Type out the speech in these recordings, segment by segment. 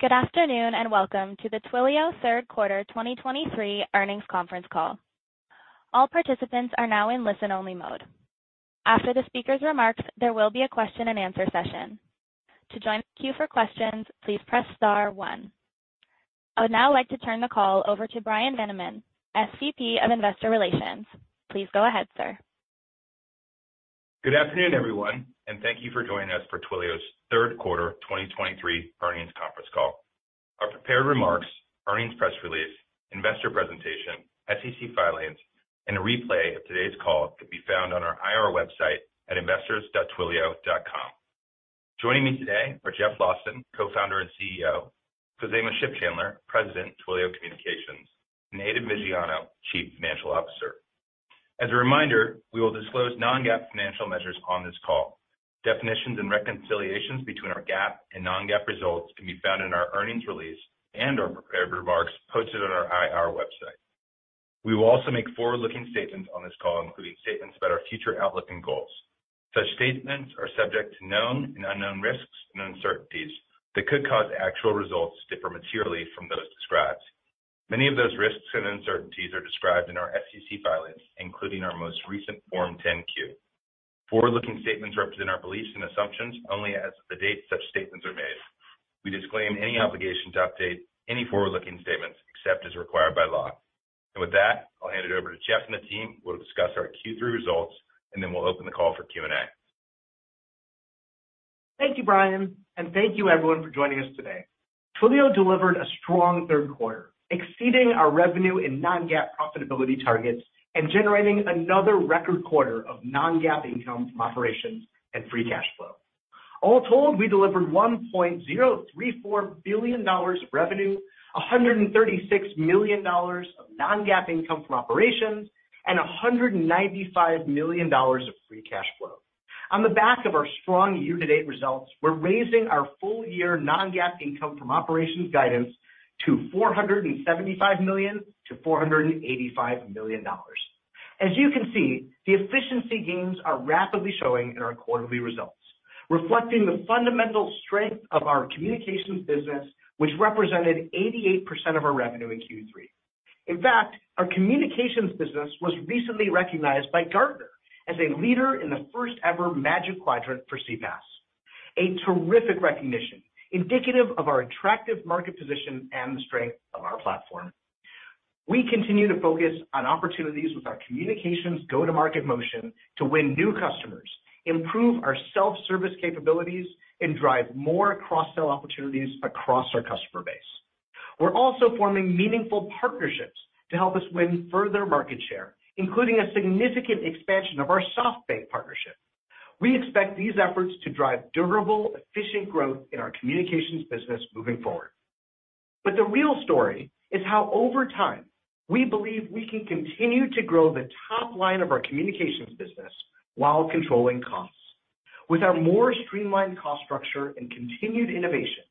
Good afternoon, and welcome to the Twilio Third Quarter 2023 Earnings Conference Call. All participants are now in listen-only mode. After the speaker's remarks, there will be a question and answer session. To join the queue for questions, please press star one. I would now like to turn the call over to Bryan Vaniman, SVP of Investor Relations. Please go ahead, sir. Good afternoon, everyone, and thank you for joining us for Twilio's third quarter 2023 earnings conference call. Our prepared remarks, earnings press release, investor presentation, SEC filings, and a replay of today's call can be found on our IR website at investors.twilio.com. Joining me today are Jeff Lawson, Co-founder and CEO, Khozema Shipchandler, President, Twilio Communications, and Aidan Viggiano, Chief Financial Officer. As a reminder, we will disclose non-GAAP financial measures on this call. Definitions and reconciliations between our GAAP and non-GAAP results can be found in our earnings release and our prepared remarks posted on our IR website. We will also make forward-looking statements on this call, including statements about our future outlook and goals. Such statements are subject to known and unknown risks and uncertainties that could cause actual results to differ materially from those described. Many of those risks and uncertainties are described in our SEC filings, including our most recent Form 10-Q. Forward-looking statements represent our beliefs and assumptions only as of the date such statements are made. We disclaim any obligation to update any forward-looking statements except as required by law. With that, I'll hand it over to Jeff and the team, who will discuss our Q3 results, and then we'll open the call for Q&A. Thank you, Bryan, and thank you everyone for joining us today. Twilio delivered a strong third quarter, exceeding our revenue and non-GAAP profitability targets and generating another record quarter of non-GAAP income from operations and free cash flow. All told, we delivered $1.034 billion of revenue, $136 million of non-GAAP income from operations, and $195 million of free cash flow. On the back of our strong year-to-date results, we're raising our full-year non-GAAP income from operations guidance to $475 million-$485 million. As you can see, the efficiency gains are rapidly showing in our quarterly results, reflecting the fundamental strength of our Communications business, which represented 88% of our revenue in Q3. In fact, our Communications business was recently recognized by Gartner as a leader in the first-ever Magic Quadrant for CPaaS. A terrific recognition, indicative of our attractive market position and the strength of our platform. We continue to focus on opportunities with our communications go-to-market motion to win new customers, improve our self-service capabilities, and drive more cross-sell opportunities across our customer base. We're also forming meaningful partnerships to help us win further market share, including a significant expansion of our SoftBank partnership. We expect these efforts to drive durable, efficient growth in our Communications business moving forward. But the real story is how over time, we believe we can continue to grow the top line of our Communications business while controlling costs. With our more streamlined cost structure and continued innovation,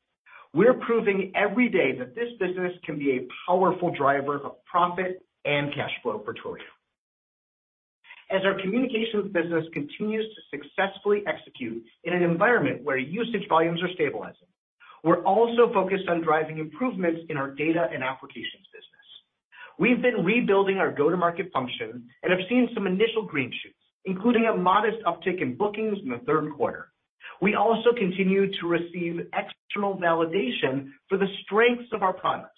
we're proving every day that this business can be a powerful driver of profit and cash flow for Twilio. As our Communications business continues to successfully execute in an environment where usage volumes are stabilizing, we're also focused on driving improvements in our Data and Applications business. we've been rebuilding our go-to-market function and have seen some initial green shoots, including a modest uptick in bookings in the third quarter. We also continue to receive external validation for the strengths of our products.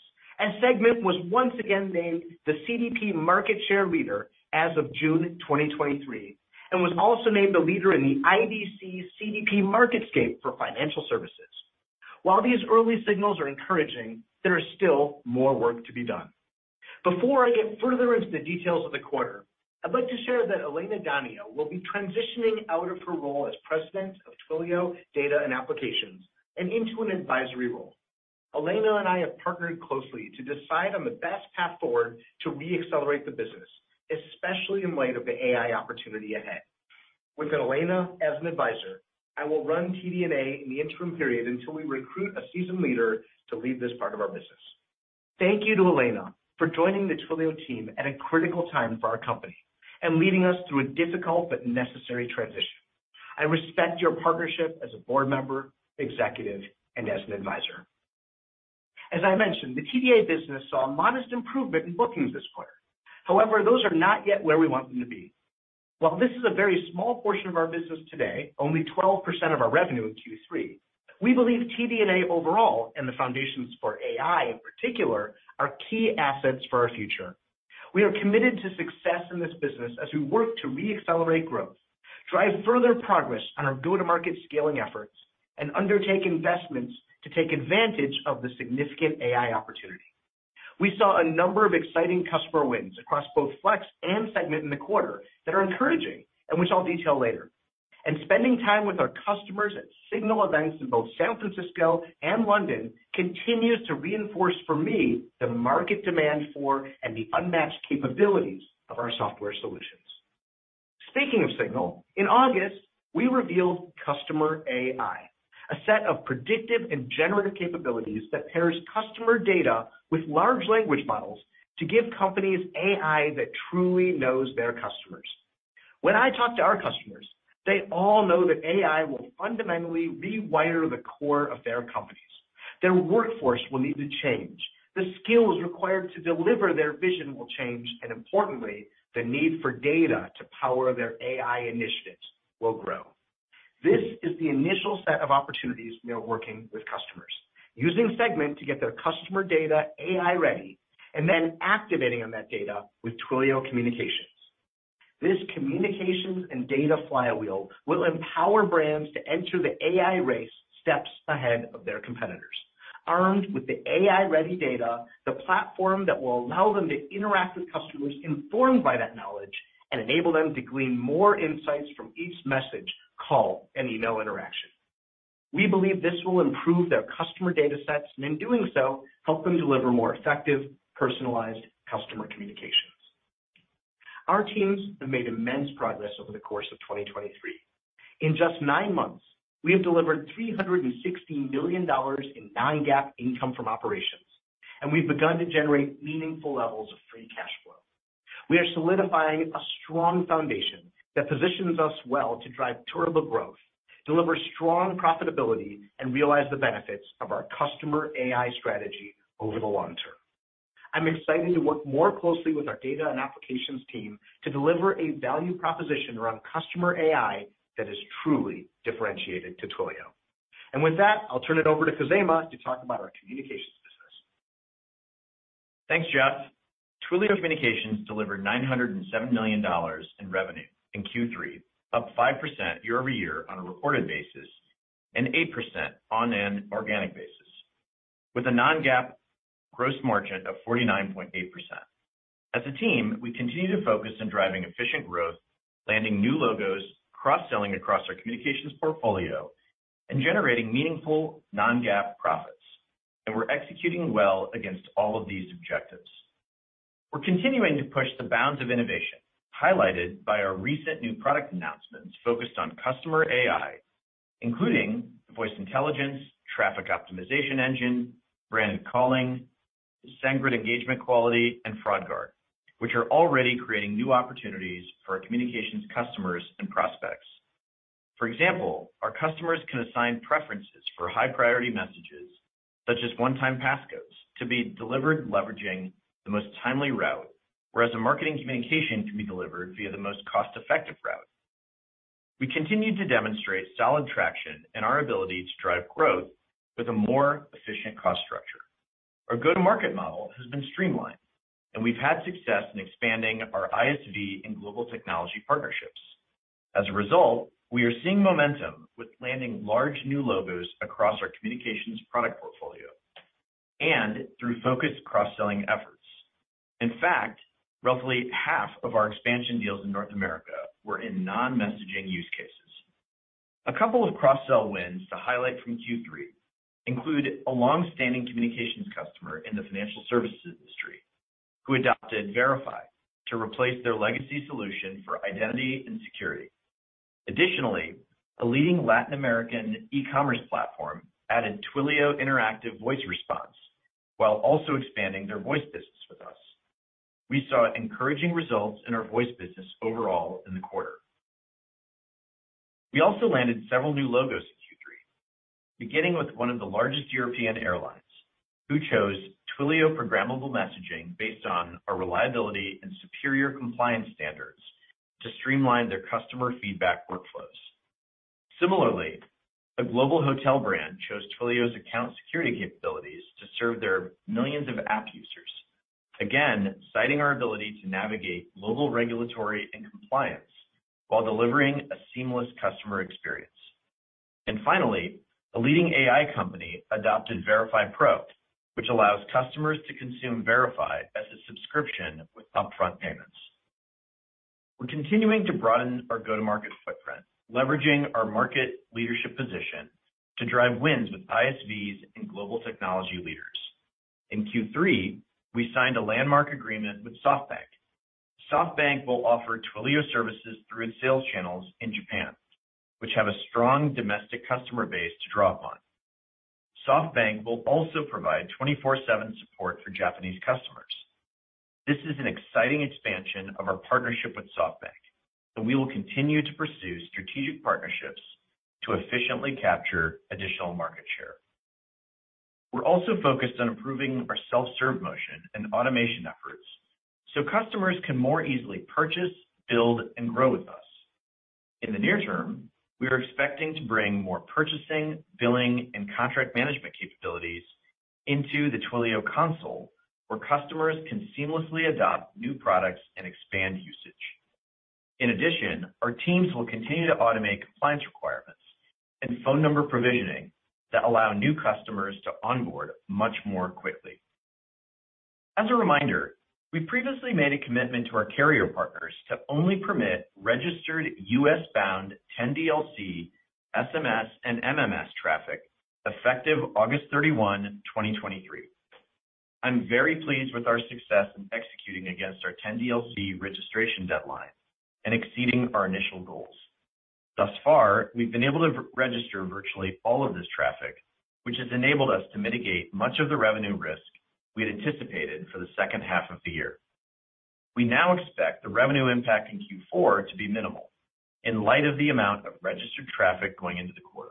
Segment was once again named the CDP market share leader as of June 2023, and was also named a leader in the IDC CDP MarketScape for Financial Services. While these early signals are encouraging, there is still more work to be done. Before I get further into the details of the quarter, I'd like to share that Elena Donio will be transitioning out of her role as President Portfolio, Data and Applications and into an advisory role. Elena and I have partnered closely to decide on the best path forward to re-accelerate the business, especially in light of the AI opportunity ahead. With Elena as an advisor, I will run TD&A in the interim period until we recruit a seasoned leader to lead this part of our business. Thank you to Elena for joining the Twilio team at a critical time for our company and leading us through a difficult but necessary transition. I respect your partnership as a board member, executive, and as an advisor. As I mentioned, the TDA business saw a modest improvement in bookings this quarter. However, those are not yet where we want them to be. While this is a very small portion of our business today, only 12% of our revenue in Q3, we believe TD&A overall, and the foundations for AI in particular, are key assets for our future. We are committed to success in this business as we work to re-accelerate growth, drive further progress on our go-to-market scaling efforts, and undertake investments to take advantage of the significant AI opportunity. We saw a number of exciting customer wins across both Flex and Segment in the quarter that are encouraging and which I'll detail later. Spending time with our customers at SIGNAL events in both San Francisco and London continues to reinforce for me the market demand for, and the unmatched capabilities of our software solutions. Speaking of SIGNAL, in August, we revealed Customer AI, a set of predictive and generative capabilities that pairs customer data with large language models to give companies AI that truly knows their customers. When I talk to our customers, they all know that AI will fundamentally rewire the core of their companies. Their workforce will need to change, the skills required to deliver their vision will change, and importantly, the need for data to power their AI initiatives will grow. This is the initial set of opportunities we are working with customers, using Segment to get their customer data AI-ready, and then activating on that data with Twilio Communications. This communications and data flywheel will empower brands to enter the AI race steps ahead of their competitors, armed with the AI-ready data, the platform that will allow them to interact with customers informed by that knowledge, and enable them to glean more insights from each message, call, and email interaction. We believe this will improve their customer data sets, and in doing so, help them deliver more effective, personalized customer communications. Our teams have made immense progress over the course of 2023. In just 9 months, we have delivered $316 billion in non-GAAP income from operations, and we've begun to generate meaningful levels of free cash flow. We are solidifying a strong foundation that positions us well to drive durable growth, deliver strong profitability, and realize the benefits of our Customer AI strategy over the long term. I'm excited to work more closely with our Data and Applications team to deliver a value proposition around Customer AI that is truly differentiated to Twilio. With that, I'll turn it over to Khozema to talk about our Communications business. Thanks, Jeff. Twilio Communications delivered $907 million in revenue in Q3, up 5% year-over-year on a reported basis, and 8% on an organic basis, with a non-GAAP gross margin of 49.8%. As a team, we continue to focus on driving efficient growth, landing new logos, cross-selling across our Communications portfolio, and generating meaningful non-GAAP profits, and we're executing well against all of these objectives. We're continuing to push the bounds of innovation, highlighted by our recent new product announcements focused on Customer AI, including Voice Intelligence, Traffic Optimization Engine, Branded Calling, Segment Engagement Quality, and Fraud Guard, which are already creating new opportunities for our communications customers and prospects. For example, our customers can assign preferences for high-priority messages, such as one-time passcodes, to be delivered leveraging the most timely route, whereas a marketing communication can be delivered via the most cost-effective route. We continue to demonstrate solid traction in our ability to drive growth with a more efficient cost structure. Our go-to-market model has been streamlined, and we've had success in expanding our ISV and global technology partnerships. As a result, we are seeing momentum with landing large new logos across our Communications product portfolio and through focused cross-selling efforts. In fact, roughly half of our expansion deals in North America were in non-messaging use cases. A couple of cross-sell wins to highlight from Q3 include a long-standing communications customer in the financial services industry, who adopted Verify to replace their legacy solution for identity and security. Additionally, a leading Latin American e-commerce platform added Twilio Interactive Voice Response while also expanding their voice business with us. We saw encouraging results in our voice business overall in the quarter. We also landed several new logos in Q3, beginning with one of the largest European airlines, who chose Twilio Programmable Messaging based on our reliability and superior compliance standards to streamline their customer feedback workflows. Similarly, a global hotel brand chose Twilio's account security capabilities to serve their millions of app users, again, citing our ability to navigate global regulatory and compliance while delivering a seamless customer experience. Finally, a leading AI company adopted Verify Pro, which allows customers to consume Verify as a subscription with upfront payments. We're continuing to broaden our go-to-market footprint, leveraging our market leadership position to drive wins with ISVs and global technology leaders. In Q3, we signed a landmark agreement with SoftBank. SoftBank will offer Twilio services through its sales channels in Japan, which have a strong domestic customer base to draw upon. SoftBank will also provide 24/7 support for Japanese customers. This is an exciting expansion of our partnership with SoftBank, and we will continue to pursue strategic partnerships to efficiently capture additional market share. We're also focused on improving our self-serve motion and automation efforts so customers can more easily purchase, build, and grow with us. In the near term, we are expecting to bring more purchasing, billing, and contract management capabilities into the Twilio console, where customers can seamlessly adopt new products and expand usage. In addition, our teams will continue to automate compliance requirements and phone number provisioning that allow new customers to onboard much more quickly. As a reminder, we previously made a commitment to our carrier partners to only permit registered U.S.-bound 10DLC, SMS, and MMS traffic, effective August 31, 2023. I'm very pleased with our success in executing against our 10DLC registration deadline and exceeding our initial goals. Thus far, we've been able to register virtually all of this traffic, which has enabled us to mitigate much of the revenue risk we had anticipated for the second half of the year. We now expect the revenue impact in Q4 to be minimal in light of the amount of registered traffic going into the quarter.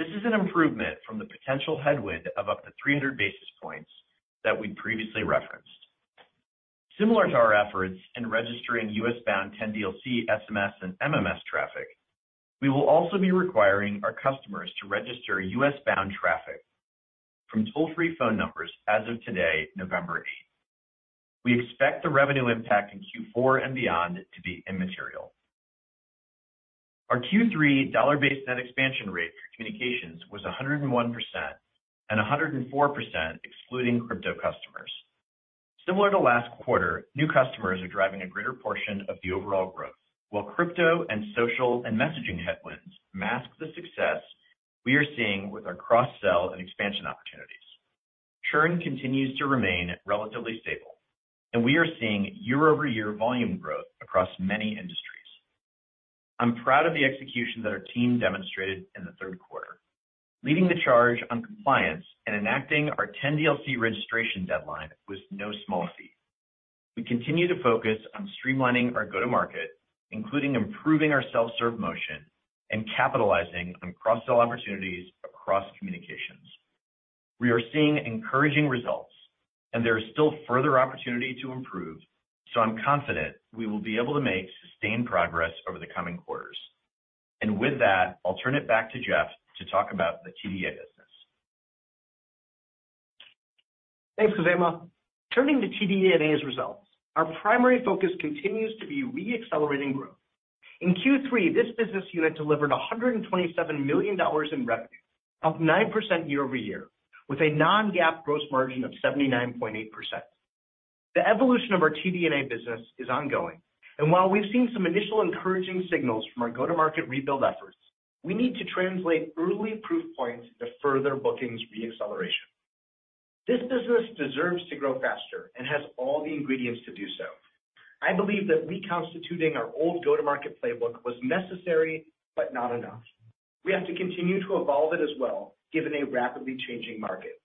This is an improvement from the potential headwind of up to 300 basis points that we previously referenced. Similar to our efforts in registering US-bound 10DLC, SMS, and MMS traffic, we will also be requiring our customers to register US-bound traffic from toll-free phone numbers as of today, November eighth. We expect the revenue impact in Q4 and beyond to be immaterial. Our Q3 dollar-based net expansion rate for communications was 101%, and 104%, excluding crypto customers. Similar to last quarter, new customers are driving a greater portion of the overall growth, while crypto and social and messaging headwinds mask the success we are seeing with our cross-sell and expansion opportunities. Churn continues to remain relatively stable, and we are seeing year-over-year volume growth across many industries. I'm proud of the execution that our team demonstrated in the third quarter. Leading the charge on compliance and enacting our 10DLC registration deadline was no small feat. We continue to focus on streamlining our go-to-market, including improving our self-serve motion and capitalizing on cross-sell opportunities across Communications. We are seeing encouraging results, and there is still further opportunity to improve, so I'm confident we will be able to make sustained progress over the coming quarters. With that, I'll turn it back to Jeff to talk about the TDA business. Thanks, Khozema. Turning to TD&A's results, our primary focus continues to be re-accelerating growth. In Q3, this business unit delivered $127 million in revenue, up 9% year-over-year, with a non-GAAP gross margin of 79.8%. The evolution of our TD&A business is ongoing, and while we've seen some initial encouraging SIGNALs from our go-to-market rebuild efforts, we need to translate early proof points to further bookings re-acceleration. This business deserves to grow faster and has all the ingredients to do so. I believe that reconstituting our old go-to-market playbook was necessary, but not enough. We have to continue to evolve it as well, given a rapidly changing market.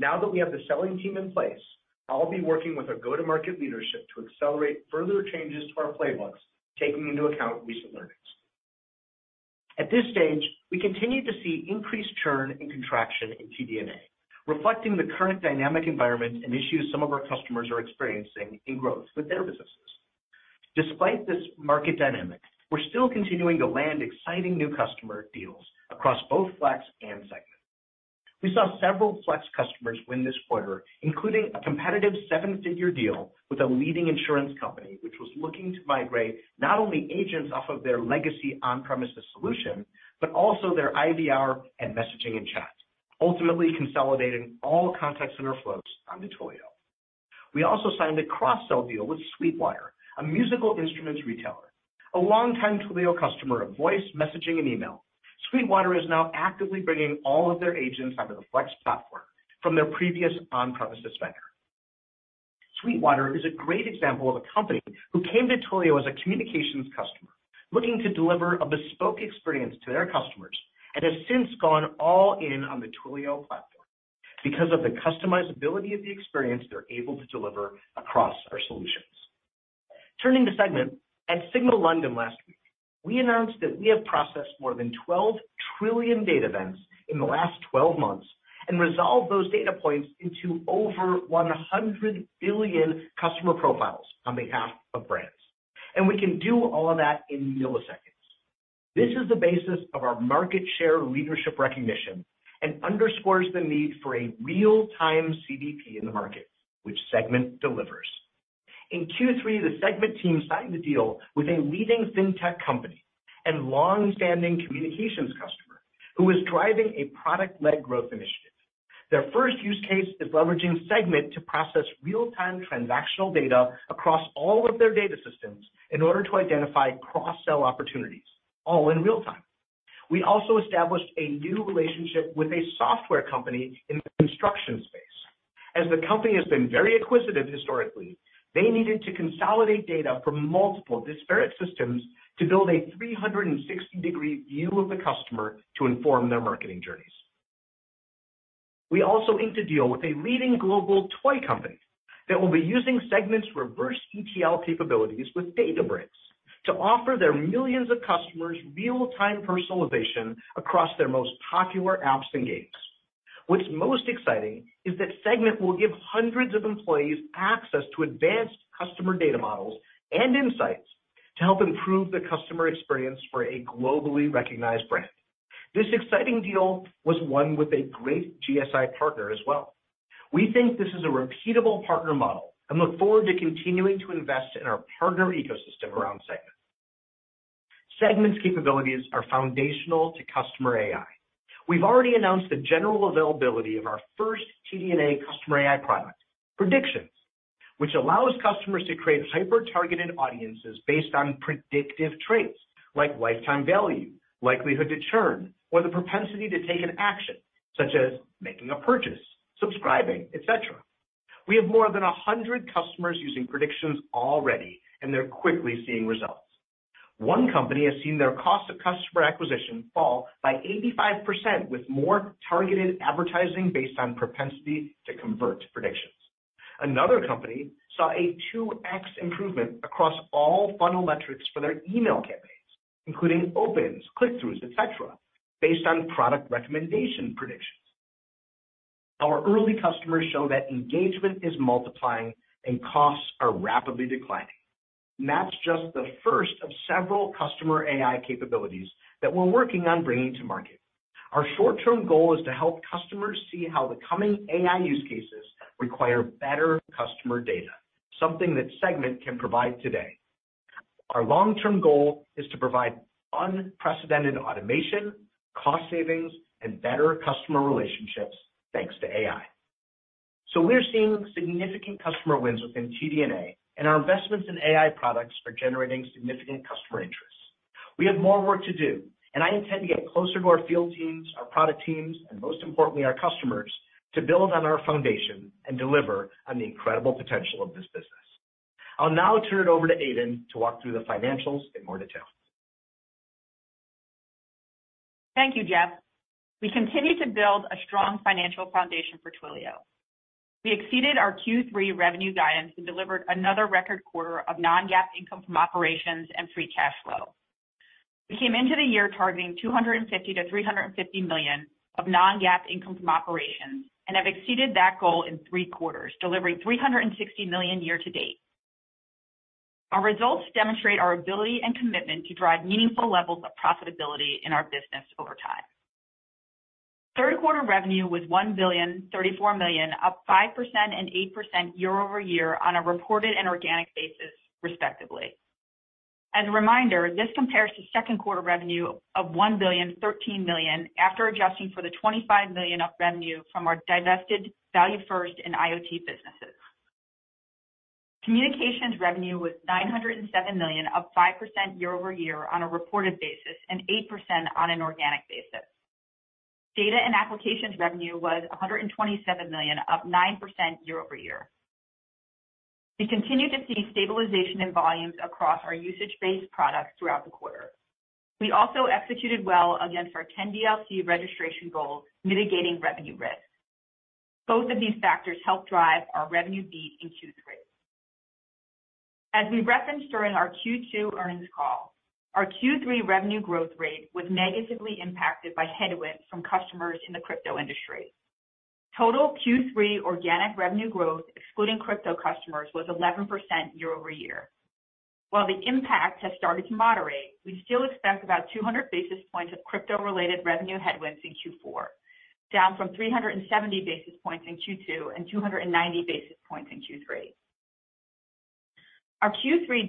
Now that we have the selling team in place, I'll be working with our go-to-market leadership to accelerate further changes to our playbooks, taking into account recent learnings. At this stage, we continue to see increased churn and contraction in TD&A, reflecting the current dynamic environment and issues some of our customers are experiencing in growth with their businesses. Despite this market dynamic, we're still continuing to land exciting new customer deals across both Flex and Segment. We saw several Flex customers win this quarter, including a competitive seven-figure deal with a leading insurance company, which was looking to migrate not only agents off of their legacy on-premises solution, but also their IVR and messaging and chat, ultimately consolidating all contact center flows on the Twilio. We also signed a cross-sell deal with Sweetwater, a musical instruments retailer, a long-time Twilio customer of voice, messaging, and email. Sweetwater is now actively bringing all of their agents onto the Flex platform from their previous on-premises vendor. Sweetwater is a great example of a company who came to Twilio as a communications customer, looking to deliver a bespoke experience to their customers, and has since gone all in on the Twilio platform. Because of the customizability of the experience, they're able to deliver across our solutions. Turning to Segment, at SIGNAL London last week, we announced that we have processed more than 12 trillion data events in the last 12 months and resolved those data points into over 100 billion customer profiles on behalf of brands, and we can do all of that in milliseconds. This is the basis of our market share leadership recognition and underscores the need for a real-time CDP in the market, which Segment delivers. In Q3, the Segment team signed a deal with a leading fintech company and long-standing communications customer who is driving a product-led growth initiative. Their first use case is leveraging Segment to process real-time transactional data across all of their data systems in order to identify cross-sell opportunities, all in real time. We also established a new relationship with a software company in the construction space. As the company has been very acquisitive historically, they needed to consolidate data from multiple disparate systems to build a 360-degree view of the customer to inform their marketing journeys. We also inked a deal with a leading global toy company that will be using Segment's reverse ETL capabilities with Databricks to offer their millions of customers real-time personalization across their most popular apps and games. What's most exciting is that Segment will give hundreds of employees access to advanced customer data models and insights to help improve the customer experience for a globally recognized brand. This exciting deal was won with a great GSI partner as well. We think this is a repeatable partner model and look forward to continuing to invest in our partner ecosystem around Segment. Segment's capabilities are foundational to Customer AI. We've already announced the general availability of our first TD&A Customer AI product, Predictions, which allows customers to create hyper-targeted audiences based on predictive traits, like lifetime value, likelihood to churn, or the propensity to take an action, such as making a purchase, subscribing, et cetera. We have more than 100 customers using Predictions already, and they're quickly seeing results. One company has seen their cost of customer acquisition fall by 85% with more targeted advertising based on propensity to convert Predictions. Another company saw a 2x improvement across all funnel metrics for their email campaigns, including opens, click-throughs, et cetera, based on product recommendation Predictions. Our early customers show that engagement is multiplying and costs are rapidly declining. And that's just the first of several Customer AI capabilities that we're working on bringing to market. Our short-term goal is to help customers see how the coming AI use cases require better customer data, something that Segment can provide today. Our long-term goal is to provide unprecedented automation, cost savings, and better customer relationships, thanks to AI. So we're seeing significant customer wins within TD&A, and our investments in AI products are generating significant customer interest. We have more work to do, and I intend to get closer to our field teams, our product teams, and most importantly, our customers, to build on our foundation and deliver on the incredible potential of this business. I'll now turn it over to Aidan to walk through the financials in more detail. Thank you, Jeff. We continue to build a strong financial foundation for Twilio. We exceeded our Q3 revenue guidance and delivered another record quarter of non-GAAP income from operations and free cash flow. We came into the year targeting $250 million-$350 million of non-GAAP income from operations and have exceeded that goal in three quarters, delivering $360 million year to date. Our results demonstrate our ability and commitment to drive meaningful levels of profitability in our business over time. Third quarter revenue was $1,034 million, up 5% and 8% year-over-year on a reported and organic basis, respectively. As a reminder, this compares to second quarter revenue of $1,013 million, after adjusting for the $25 million of revenue from our divested ValueFirst and IoT businesses. Communications revenue was $907 million, up 5% year-over-year on a reported basis and 8% on an organic basis. Data and Applications revenue was $127 million, up 9% year-over-year. We continued to see stabilization in volumes across our usage-based products throughout the quarter. We also executed well against our 10DLC registration goals, mitigating revenue risk. Both of these factors helped drive our revenue beat in Q3. As we referenced during our Q2 earnings call, our Q3 revenue growth rate was negatively impacted by headwinds from customers in the crypto industry. Total Q3 organic revenue growth, excluding crypto customers, was 11% year-over-year. While the impact has started to moderate, we still expect about 200 basis points of crypto-related revenue headwinds in Q4, down from 370 basis points in Q2 and 290 basis points in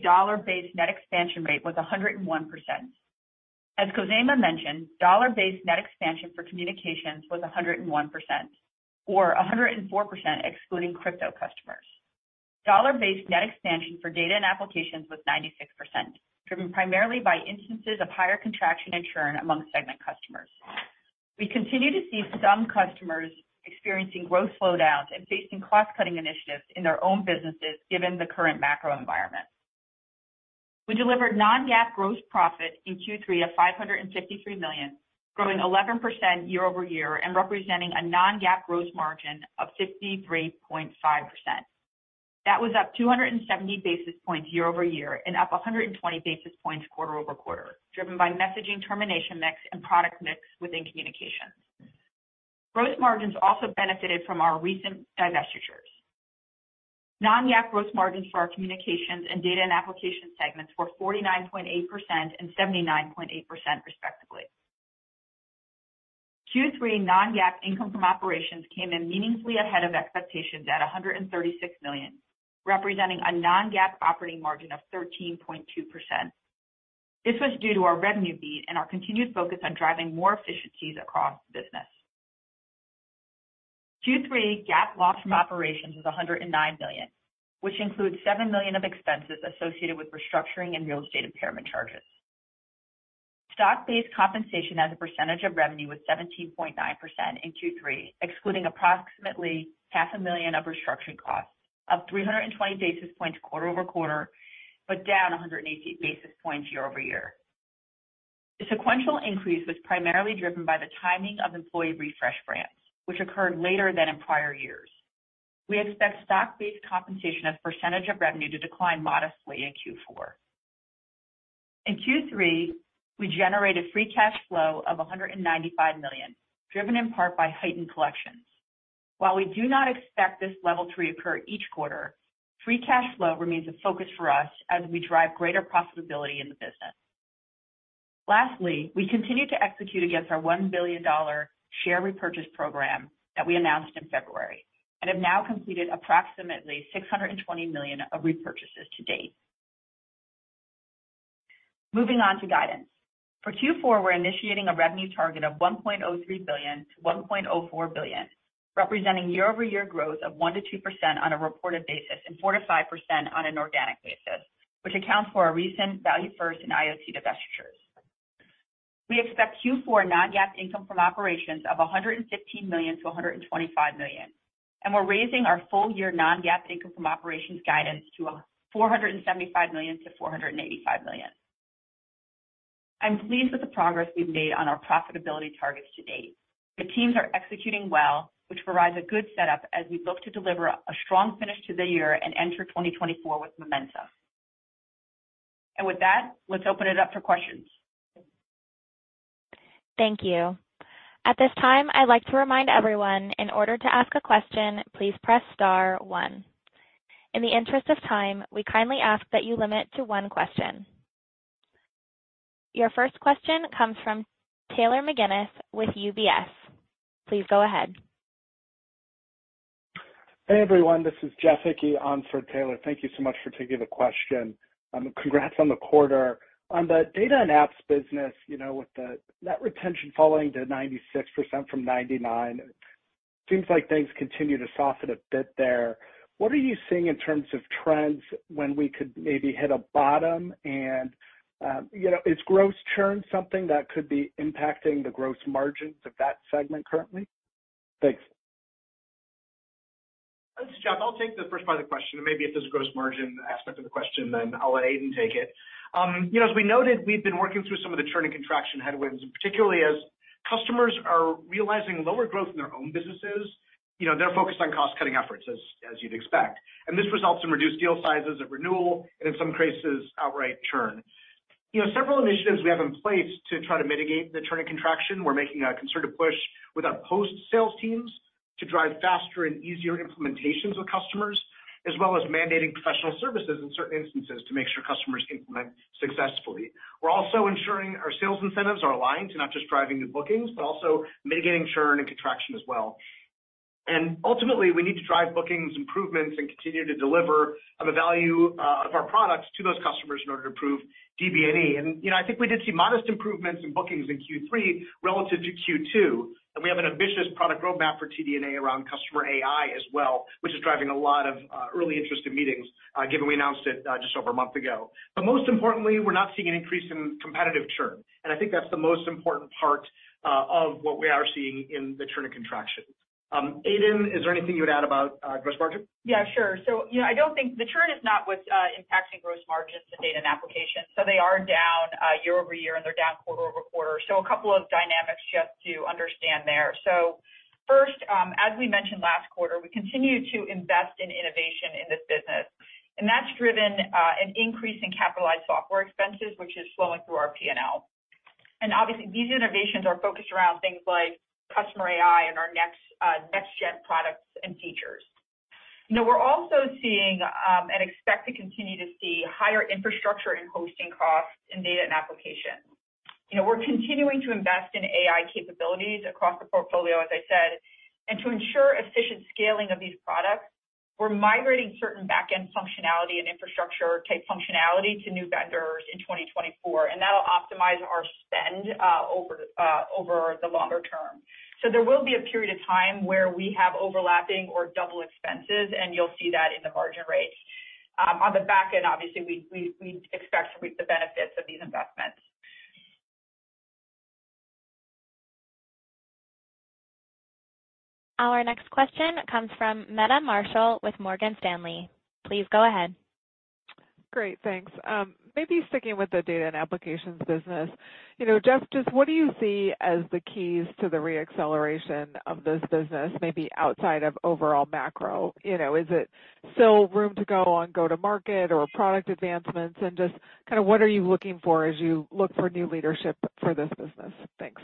dollar-based net expansion rate was 101%. as Khozema mentioned, dollar-based net expansion for Communications was 101%, or 104%, excluding crypto customers. Dollar-based net for Data and Applications was 96%, driven primarily by instances of higher contraction and churn among Segment customers. We continue to see some customers experiencing growth slowdowns and facing cost-cutting initiatives in their own businesses, given the current macro environment. We delivered non-GAAP gross profit in Q3 of $553 million, growing 11% year over year and representing a non-GAAP gross margin of 63.5%. That was up 270 basis points year-over-year and up 120 basis points quarter-over-quarter, driven by Messaging termination mix, and product mix within Communication. Gross margins also benefited from our recent divestitures. Non-GAAP gross margins for our Data and Application segments were 49.8% and 79.8%, respectively. Q3 non-GAAP income from operations came in meaningfully ahead of expectations at $136 million, representing a non-GAAP operating margin of 13.2%. This was due to our revenue beat and our continued focus on driving more efficiencies across the business. Q3 GAAP loss from operations was $109 million, which includes $7 million of expenses associated with restructuring and real estate impairment charges. Stock-based compensation as a percentage of revenue was 17.9% in Q3, excluding approximately $500,000 of restructuring costs, up 320 basis points quarter-over-quarter, but down 180 basis points year-over-year. The sequential increase was primarily driven by the timing of employee refresh grants, which occurred later than in prior years. We expect stock-based compensation as a percentage of revenue to decline modestly in Q4. In Q3, we generated free cash flow of $195 million, driven in part by heightened collections. While we do not expect this level to reoccur each quarter, free cash flow remains a focus for us as we drive greater profitability in the business. Lastly, we continue to execute against our $1 billion share repurchase program that we announced in February and have now completed approximately $620 million of repurchases to date. Moving on to guidance. For Q4, we're initiating a revenue target of $1.03 billion-$1.04 billion, representing year-over-year growth of 1%-2% on a reported basis and 4%-5% on an organic basis, which accounts for our recent Value First and IoT divestitures. We expect Q4 non-GAAP income from operations of $115 million-$125 million, and we're raising our full year non-GAAP income from operations guidance to $475 million-$485 million. I'm pleased with the progress we've made on our profitability targets to date. The teams are executing well, which provides a good setup as we look to deliver a strong finish to the year and enter 2024 with momentum. With that, let's open it up for questions. Thank you. At this time, I'd like to remind everyone, in order to ask a question, please press star one. In the interest of time, we kindly ask that you limit to one question. Your first question comes from Taylor McGinnis with UBS. Please go ahead. Hey, everyone, this is Jeff Hickey on for Taylor. Thank you so much for taking the question, congrats on the quarter. On the data and apps business, you know, with the net retention falling to 96% from 99, it seems like things continue to soften a bit there. What are you seeing in terms of trends when we could maybe hit a bottom and, you know, is gross churn something that could be impacting the gross margins of that segment currently? Thanks. Thanks, Jeff. I'll take the first part of the question, and maybe if there's a gross margin aspect of the question, then I'll let Aidan take it. You know, as we noted, we've been working through some of the churn and contraction headwinds, and particularly as customers are realizing lower growth in their own businesses, you know, they're focused on cost-cutting efforts, as you'd expect. And this results in reduced deal sizes at renewal and in some cases, outright churn. You know, several initiatives we have in place to try to mitigate the churn and contraction. We're making a concerted push with our post-sales teams to drive faster and easier implementations with customers, as well as mandating professional services in certain instances to make sure customers implement successfully. We're also ensuring our sales incentives are aligned to not just driving new bookings, but also mitigating churn and contraction as well. And ultimately, we need to drive bookings, improvements, and continue to deliver on the value, of our products to those customers in order to improve DB&E. And, you know, I think we did see modest improvements in bookings in Q3 relative to Q2, and we have an ambitious product roadmap for TD&A around Customer AI as well, which is driving a lot of, early interest in meetings, given we announced it, just over a month ago. But most importantly, we're not seeing an increase in competitive churn, and I think that's the most important part, of what we are seeing in the churn and contraction. Aidan, is there anything you would add about, gross margin? Yeah, sure. So, you know, I don't think the churn is not what's impacting gross margins in Data and Application. So they are down year-over-year, and they're down quarter-over-quarter. So a couple of dynamics just to understand there. So first, as we mentioned last quarter, we continue to invest in innovation in this business, and that's driven an increase in capitalized software expenses, which is flowing through our P&L. And obviously, these innovations are focused around things like Customer AI and our next next gen products and features. Now, we're also seeing and expect to continue to see higher infrastructure and hosting costs in Data and Application. You know, we're continuing to invest in AI capabilities across the portfolio, as I said, and to ensure efficient scaling of these products, we're migrating certain back-end functionality and infrastructure type functionality to new vendors in 2024, and that'll optimize our spend over the longer term. So there will be a period of time where we have overlapping or double expenses, and you'll see that in the margin rates. On the back end, obviously, we expect to reap the benefits of these investments. Our next question comes from Meta Marshall with Morgan Stanley. Please go ahead. Great, thanks. Maybe sticking Data and Applications business, you know, Jeff, just what do you see as the keys to the re-acceleration of this business, maybe outside of overall macro? You know, is it still room to go on go-to-market or product advancements? And just kind of what are you looking for as you look for new leadership for this business? Thanks.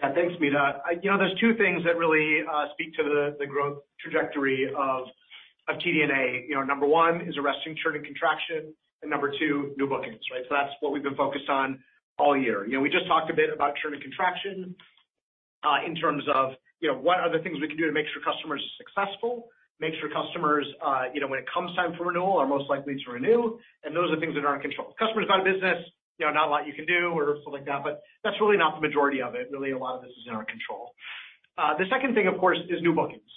Yeah, thanks, Meta. You know, there's two things that really speak to the growth trajectory of TD&A. You know, number one is arresting churn and contraction, and number two, new bookings, right? So that's what we've been focused on all year. You know, we just talked a bit about churn and contraction in terms of you know, what are the things we can do to make sure customers are successful, make sure customers you know, when it comes time for renewal, are most likely to renew, and those are things that are in our control. Customers go out of business, you know, not a lot you can do or something like that, but that's really not the majority of it. Really, a lot of this is in our control. The second thing, of course, is new bookings.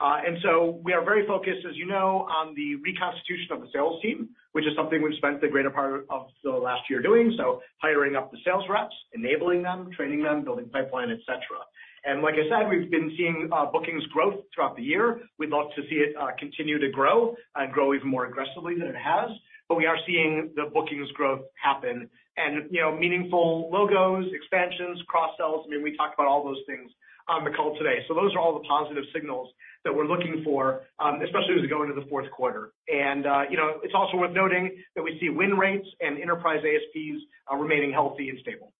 And so we are very focused, as you know, on the reconstitution of the sales team, which is something we've spent the greater part of the last year doing, so hiring up the sales reps, enabling them, training them, building pipeline, et cetera. And like I said, we've been seeing bookings growth throughout the year. We'd love to see it continue to grow and grow even more aggressively than it has, but we are seeing the bookings growth happen and, you know, meaningful logos, expansions, cross sells. I mean, we talked about all those things on the call today. So those are all the positive signals that we're looking for, especially as we go into the fourth quarter. And, you know, it's also worth noting that we see win rates and enterprise ASPs remaining healthy and stable.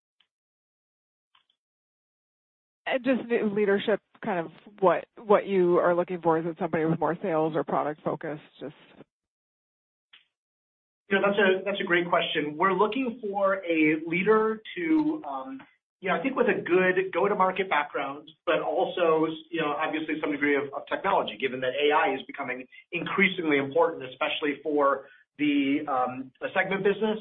Just the leadership, kind of what, what you are looking for, is it somebody with more sales or product focus? Yeah, that's a great question. We're looking for a leader to, you know, I think with a good go-to-market background, but also, you know, obviously some degree of, of technology, given that AI is becoming increasingly important, especially for the, the Segment business,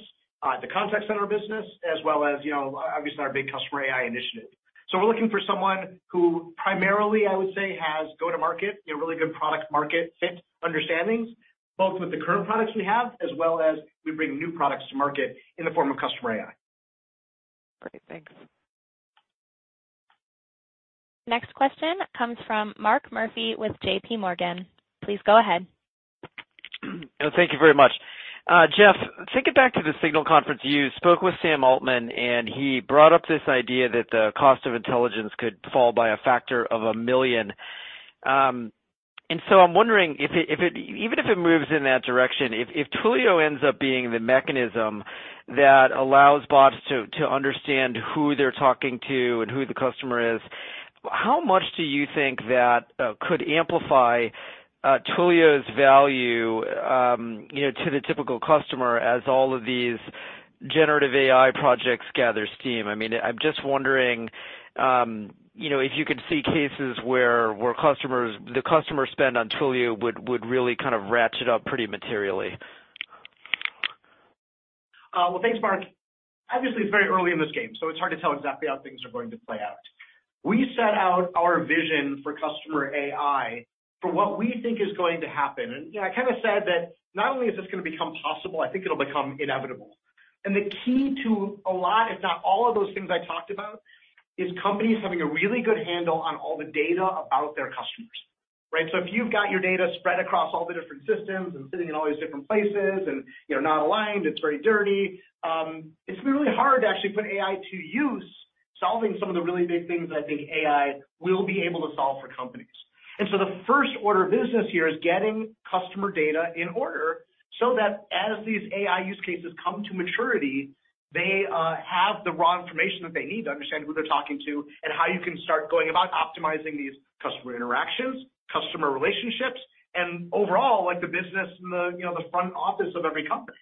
the contact center business, as well as, you know, obviously our big Customer AI initiative. So we're looking for someone who primarily, I would say, has go-to-market, you know, really good product market fit understandings, both with the current products we have, as well as we bring new products to market in the form of Customer AI. Great, thanks. Next question comes from Mark Murphy with JPMorgan. Please go ahead. Thank you very much. Jeff, thinking back to the SIGNAL conference, you spoke with Sam Altman, and he brought up this idea that the cost of intelligence could fall by a factor of a million. And so I'm wondering if it even if it moves in that direction, if Twilio ends up being the mechanism that allows bots to understand who they're talking to and who the customer is, how much do you think that could amplify Twilio's value, you know, to the typical customer as all of these generative AI projects gather steam? I mean, I'm just wondering, you know, if you could see cases where customers—the customer spend on Twilio would really kind of ratchet up pretty materially. Well, thanks, Mark. Obviously, it's very early in this game, so it's hard to tell exactly how things are going to play out. We set out our vision for Customer AI for what we think is going to happen. And, you know, I kind of said that not only is this gonna become possible, I think it'll become inevitable. And the key to a lot, if not all, of those things I talked about, is companies having a really good handle on all the data about their customers, right? So if you've got your data spread across all the different systems and sitting in all these different places and, you know, not aligned, it's very dirty. It's really hard to actually put AI to use, solving some of the really big things I think AI will be able to solve for companies. The first order of business here is getting customer data in order so that as these AI use cases come to maturity, they have the raw information that they need to understand who they're talking to and how you can start going about optimizing these customer interactions, customer relationships, and overall, like, the business and the, you know, the front office of every company.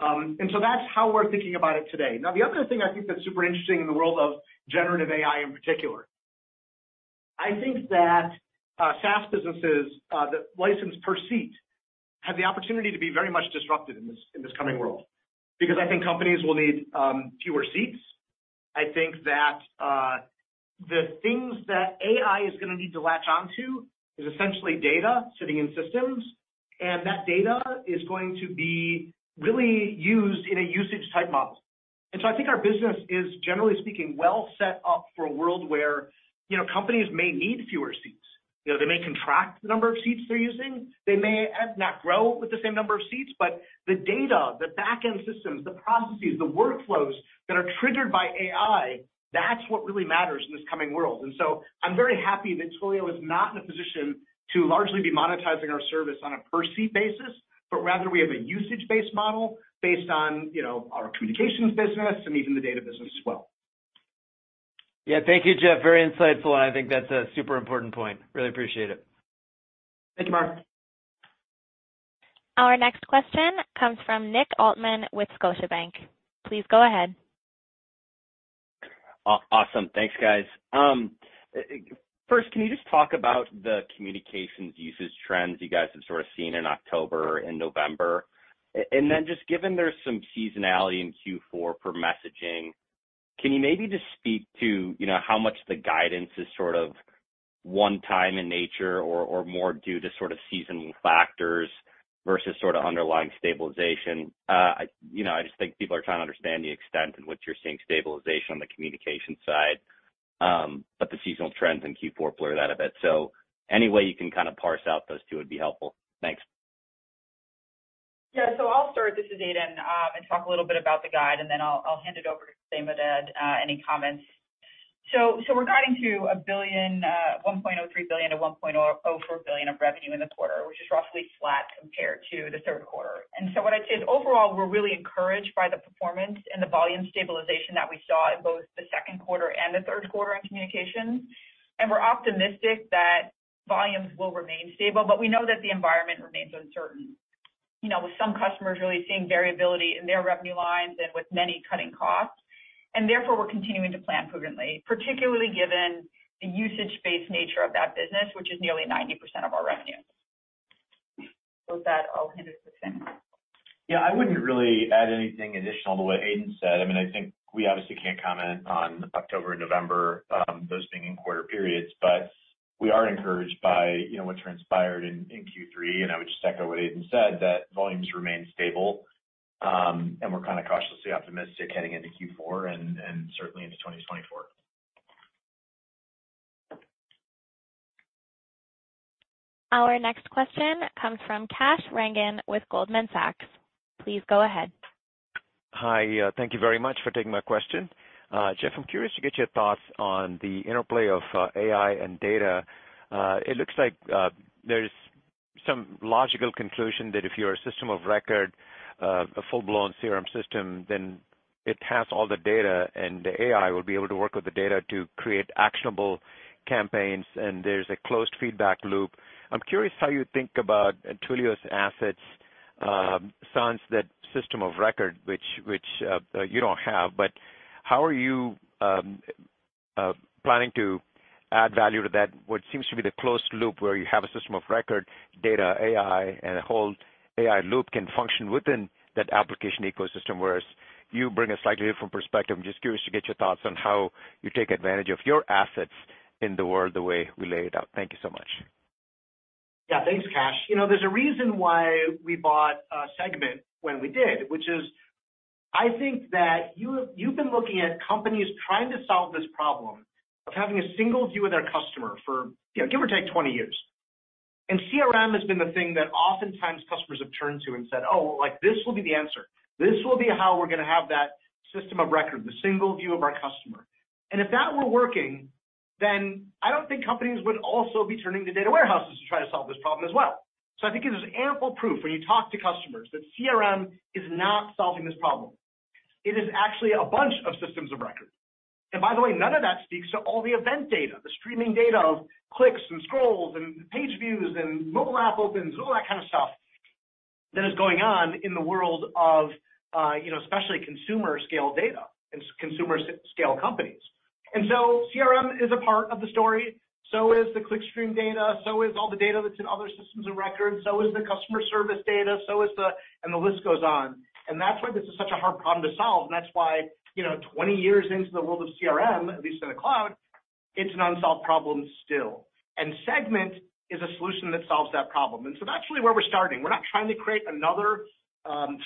That's how we're thinking about it today. Now, the other thing I think that's super interesting in the world of generative AI in particular, I think that, SaaS businesses that license per seat have the opportunity to be very much disrupted in this, in this coming world. Because I think companies will need fewer seats. I think that the things that AI is gonna need to latch on to is essentially data sitting in systems, and that data is going to be really used in a usage-type model. And so I think our business is, generally speaking, well set up for a world where, you know, companies may need fewer seats. You know, they may contract the number of seats they're using. They may not grow with the same number of seats, but the data, the back-end systems, the processes, the workflows that are triggered by AI, that's what really matters in this coming world. And so I'm very happy that Twilio is not in a position to largely be monetizing our service on a per seat basis, but rather we have a usage-based model based on, you know, our Communications business and even the data business as well. Yeah. Thank you, Jeff. Very insightful, and I think that's a super important point. Really appreciate it. Thank you, Mark. Our next question comes from Nick Altman with Scotiabank. Please go ahead. Awesome. Thanks, guys. First, can you just talk about the communications usage trends you guys have sort of seen in October and November? And then just given there's some seasonality in Q4 for messaging, can you maybe just speak to, you know, how much the guidance is sort of one time in nature or, or more due to sort of seasonal factors versus sort of underlying stabilization? You know, I just think people are trying to understand the extent in which you're seeing stabilization on the communication side, but the seasonal trends in Q4 blur that a bit. So any way you can kind of parse out those two would be helpful. Thanks. Yeah. So I'll start this. This is Aidan, and talk a little bit about the guide, and then I'll hand it over to Khozema to add any comments. So we're guiding to $1.03 billion-$1.04 billion of revenue in the quarter, which is roughly flat compared to the third quarter. And so what I'd say is, overall, we're really encouraged by the performance and the volume stabilization that we saw in both the second quarter and the third quarter in Communications. And we're optimistic that volumes will remain stable, but we know that the environment remains uncertain. You know, with some customers really seeing variability in their revenue lines and with many cutting costs, and therefore, we're continuing to plan prudently, particularly given the usage-based nature of that business, which is nearly 90% of our revenue. With that, I'll hand it to Khozema. Yeah, I wouldn't really add anything additional to what Aidan said. I mean, I think we obviously can't comment on October and November, those being in quarter periods, but we are encouraged by, you know, what transpired in, in Q3, and I would just echo what Aidan said, that volumes remain stable, and we're kind of cautiously optimistic heading into Q4 and, and certainly into 2024. Our next question comes from Kash Rangan with Goldman Sachs. Please go ahead. Hi, thank you very much for taking my question. Jeff, I'm curious to get your thoughts on the interplay of AI and data. It looks like there's some logical conclusion that if you're a system of record, a full-blown CRM system, then it has all the data, and the AI will be able to work with the data to create actionable campaigns, and there's a closed feedback loop. I'm curious how you think about Twilio's assets, sans that system of record, which you don't have, but how are you planning to- ...add value to that, what seems to be the closed loop, where you have a system of record data, AI, and a whole AI loop can function within that application ecosystem, whereas you bring a slightly different perspective. I'm just curious to get your thoughts on how you take advantage of your assets in the world, the way we lay it out. Thank you so much. Yeah, thanks, Kash. You know, there's a reason why we bought Segment when we did, which is I think that you, you've been looking at companies trying to solve this problem of having a single view of their customer for, give or take, 20 years. And CRM has been the thing that oftentimes customers have turned to and said, "Oh, like, this will be the answer. This will be how we're gonna have that system of record, the single view of our customer." And if that were working, then I don't think companies would also be turning to data warehouses to try to solve this problem as well. So I think there's ample proof when you talk to customers, that CRM is not solving this problem. It is actually a bunch of systems of record. And by the way, none of that speaks to all the event data, the streaming data of clicks and scrolls and page views and mobile app opens, all that kind of stuff, that is going on in the world of, you know, especially consumer-scale data and consumer-scale companies. And so CRM is a part of the story, so is the clickstream data, so is all the data that's in other systems of record, so is the customer service data, so is the... And the list goes on. And that's why this is such a hard problem to solve, and that's why, you know, 20 years into the world of CRM, at least in the cloud, it's an unsolved problem still. And Segment is a solution that solves that problem. And so that's really where we're starting. We're not trying to create another,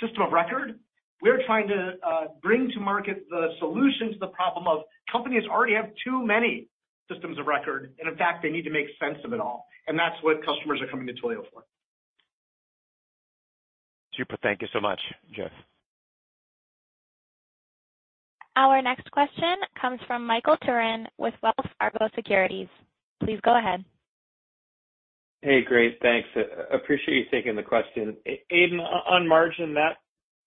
system of record. We're trying to bring to market the solution to the problem of companies already have too many systems of record, and in fact, they need to make sense of it all, and that's what customers are coming to Twilio for. Super. Thank you so much, Jeff. Our next question comes from Michael Turrin with Wells Fargo Securities. Please go ahead. Hey, great, thanks. Appreciate you taking the question. Aidan, on margin, that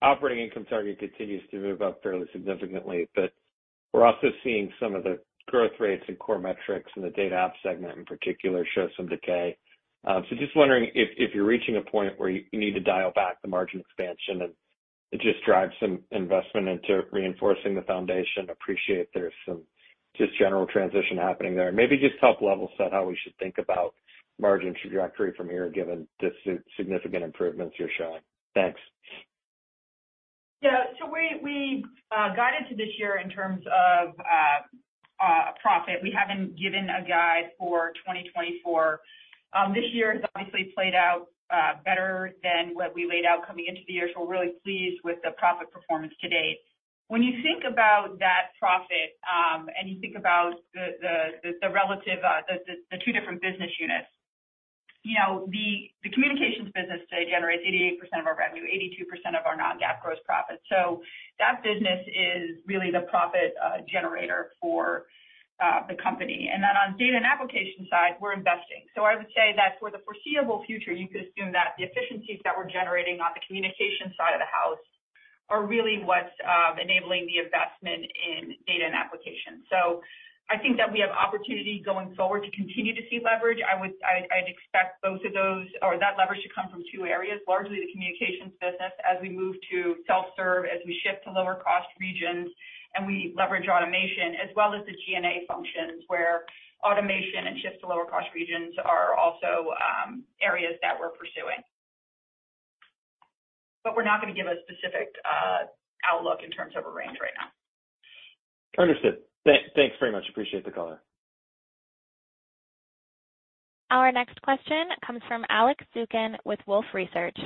operating income target continues to move up fairly significantly, but we're also seeing some of the growth rates and core metrics in the data app segment, in particular, show some decay. So just wondering if, if you're reaching a point where you need to dial back the margin expansion, and it just drives some investment into reinforcing the foundation. Appreciate there's some just general transition happening there. Maybe just help level set how we should think about margin trajectory from here, given the significant improvements you're showing. Thanks. Yeah. So we guided to this year in terms of profit. We haven't given a guide for 2024. This year has obviously played out better than what we laid out coming into the year, so we're really pleased with the profit performance to date. When you think about that profit, and you think about the relative, the two different business units, you know, the Communications business today generates 88% of our revenue, 82% of our non-GAAP gross profit. So that business is really the profit generator for the company. And then on Data and Application side, we're investing. So I would say that for the foreseeable future, you could assume that the efficiencies that we're generating on the communication side of the house are really what's enabling the investment in Data and Application. So I think that we have opportunity going forward to continue to see leverage. I would. I'd expect both of those or that leverage to come from two areas, largely the Communications business, as we move to self-serve, as we shift to lower-cost regions, and we leverage automation, as well as the G&A functions, where automation and shift to lower-cost regions are also areas that we're pursuing. But we're not going to give a specific outlook in terms of a range right now. Understood. Thanks, thanks very much. Appreciate the color. Our next question comes from Alex Zukin with Wolfe Research.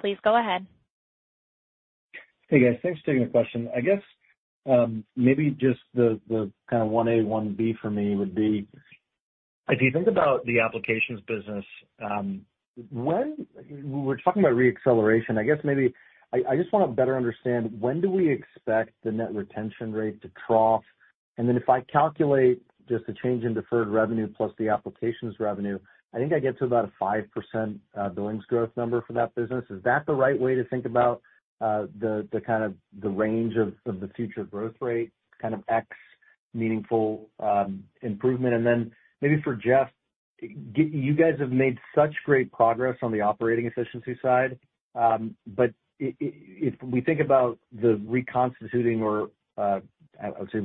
Please go ahead. Hey, guys, thanks for taking the question. I guess, maybe just the kind of 1A, 1B for me would be: If you think about the applications business, when we're talking about reacceleration, I guess maybe I just want to better understand, when do we expect the net retention rate to trough? And then if I calculate just the change in deferred revenue plus the applications revenue, I think I get to about a 5%, billings growth number for that business. Is that the right way to think about, the kind of the range of the future growth rate, kind of X meaningful improvement? And then maybe for Jeff, you guys have made such great progress on the operating efficiency side, but if we think about the reconstituting or, I would say,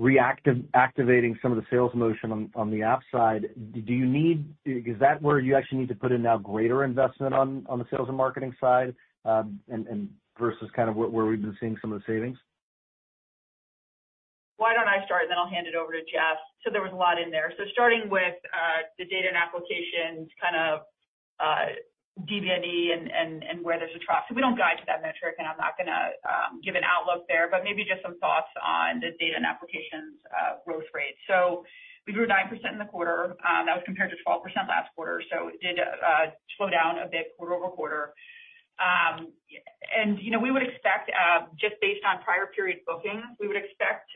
reactivating some of the sales motion on the app side, is that where you actually need to put in now greater investment on the sales and marketing side, and versus kind of where we've been seeing some of the savings? Why don't I start, then I'll hand it over to Jeff. So there was a lot in there. So starting with, the Data and Applications, kind of, DB&E and, and where there's a trough. So we don't guide to that metric, and I'm not gonna, give an outlook there, but maybe just some thoughts on the Data and Applications, growth rate. So we grew 9% in the quarter. That was compared to 12% last quarter, so it did, slow down a bit quarter-over-quarter. And, you know, we would expect, just based on prior period bookings, we would expect,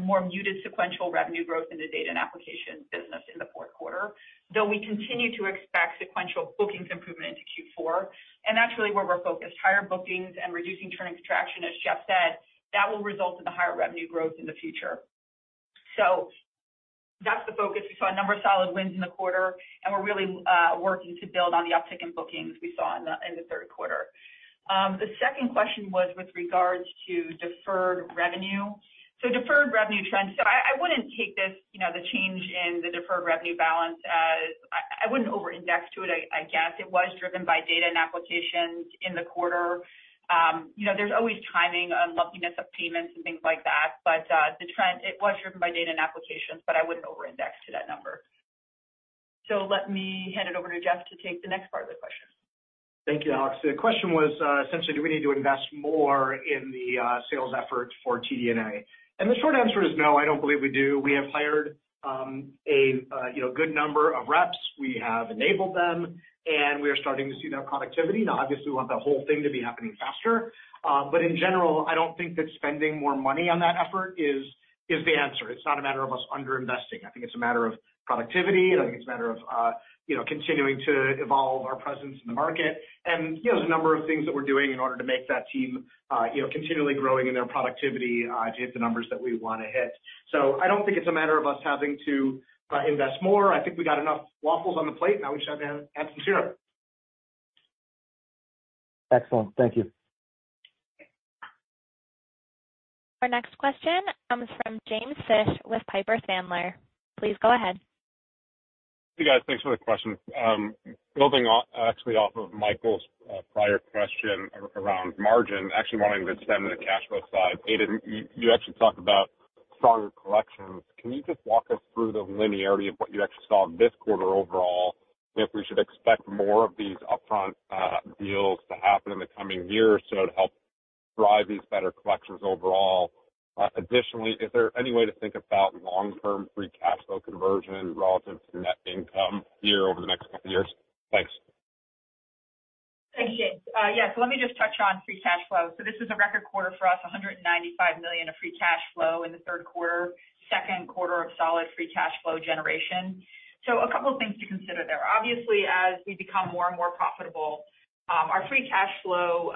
more muted sequential revenue growth in the Data and Application business in the fourth quarter, though we continue to expect sequential bookings improvement into Q4, and that's really where we're focused. Higher bookings and reducing churn and extraction, as Jeff said, that will result in the higher revenue growth in the future. So that's the focus. We saw a number of solid wins in the quarter, and we're really working to build on the uptick in bookings we saw in the third quarter. The second question was with regards to deferred revenue. So deferred revenue trends. So I wouldn't take this, you know, the change in the deferred revenue balance as I wouldn't over-index to it, I guess. It was driven by Data and Applications in the quarter. You know, there's always timing, lumpiness of payments and things like that, but the trend, it was driven by Data and Applications, but I wouldn't over-index to that number. Let me hand it over to Jeff to take the next part of the question. Thank you, Aidan. The question was essentially do we need to invest more in the sales effort for TD&A? And the short answer is no, I don't believe we do. We have hired a you know good number of reps. We have enabled them, and we are starting to see their productivity. Now, obviously, we want the whole thing to be happening faster. But in general, I don't think that spending more money on that effort is the answer. It's not a matter of us under-investing. I think it's a matter of productivity, and I think it's a matter of you know continuing to evolve our presence in the market. You know, there's a number of things that we're doing in order to make that team, you know, continually growing in their productivity, to hit the numbers that we wanna hit. So I don't think it's a matter of us having to invest more. I think we got enough waffles on the plate, now we should have add some syrup. Excellent. Thank you. Our next question comes from James Fish with Piper Sandler. Please go ahead. Hey, guys, thanks for the question. Building off of Michael's prior question around margin, actually wanting to extend the cash flow side. Aidan, you, you actually talked about stronger collections. Can you just walk us through the linearity of what you actually saw this quarter overall? And if we should expect more of these upfront deals to happen in the coming year or so to help drive these better collections overall? Additionally, is there any way to think about long-term free cash flow conversion relative to net income year over the next couple of years? Thanks. Thank you. Yes, let me just touch on free cash flow. So this is a record quarter for us, $195 million of free cash flow in the third quarter, second quarter of solid free cash flow generation. So a couple of things to consider there. Obviously, as we become more and more profitable, our free cash flow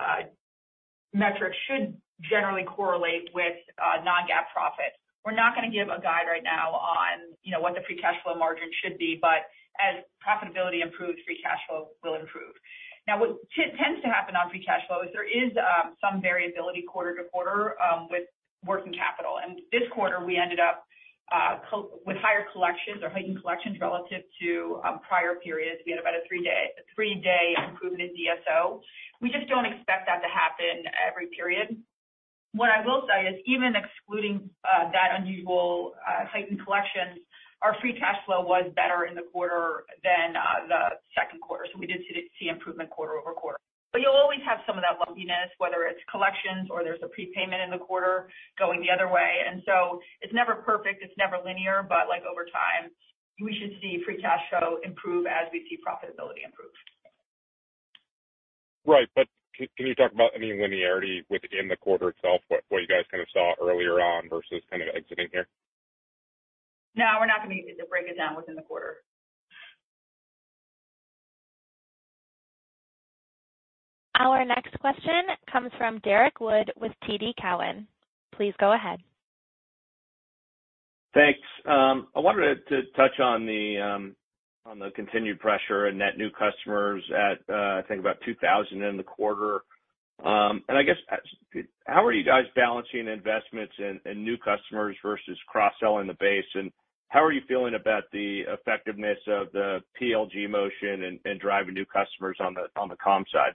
metric should generally correlate with Non-GAAP profits. We're not gonna give a guide right now on, you know, what the free cash flow margin should be, but as profitability improves, free cash flow will improve. Now, what tends to happen on free cash flow is there is some variability quarter to quarter with working capital. And this quarter, we ended up with higher collections or heightened collections relative to prior periods. We had about a three day, a three day improvement in DSO. We just don't expect that to happen every period. What I will say is, even excluding that unusual heightened collection, our free cash flow was better in the quarter than the second quarter, so we did see improvement quarter over quarter. But you'll always have some of that lumpiness, whether it's collections or there's a prepayment in the quarter going the other way, and so it's never perfect, it's never linear, but, like, over time, we should see free cash flow improve as we see profitability improve. Right. But can you talk about any linearity within the quarter itself, what you guys kind of saw earlier on versus kind of exiting here? No, we're not going to break it down within the quarter. Our next question comes from Derrick Wood with TD Cowen. Please go ahead. Thanks. I wanted to touch on the continued pressure and net new customers at, I think about 2,000 in the quarter. And I guess, how are you guys balancing investments and new customers versus cross-selling the base? And how are you feeling about the effectiveness of the PLG motion and driving new customers on the comms side?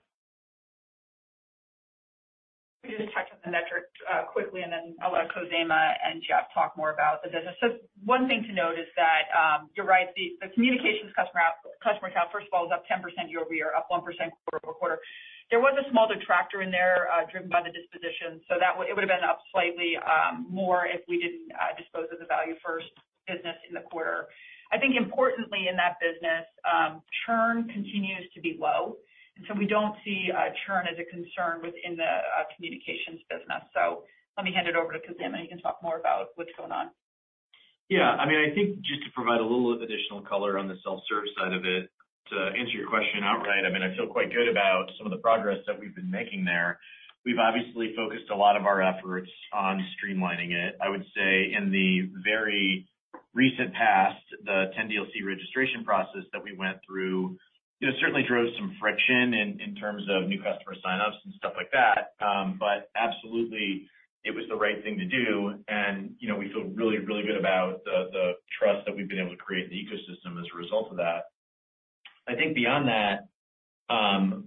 Let me just touch on the metric quickly, and then I'll let Khozema and Jeff talk more about the business. So one thing to note is that, you're right, the Communications customer count, first of all, is up 10% year-over-year, up 1% quarter-over-quarter. There was a small detractor in there driven by the disposition, so that it would have been up slightly more if we didn't dispose of the Value First business in the quarter. I think importantly in that business, churn continues to be low, and so we don't see churn as a concern within the Communications business. So let me hand it over to Khozema, and he can talk more about what's going on. Yeah, I mean, I think just to provide a little additional color on the self-service side of it, to answer your question outright, I mean, I feel quite good about some of the progress that we've been making there. We've obviously focused a lot of our efforts on streamlining it. I would say in the very recent past, the 10DLC registration process that we went through, you know, certainly drove some friction in terms of new customer sign-ups and stuff like that. But absolutely it was the right thing to do, and, you know, we feel really, really good about the trust that we've been able to create in the ecosystem as a result of that. I think beyond that,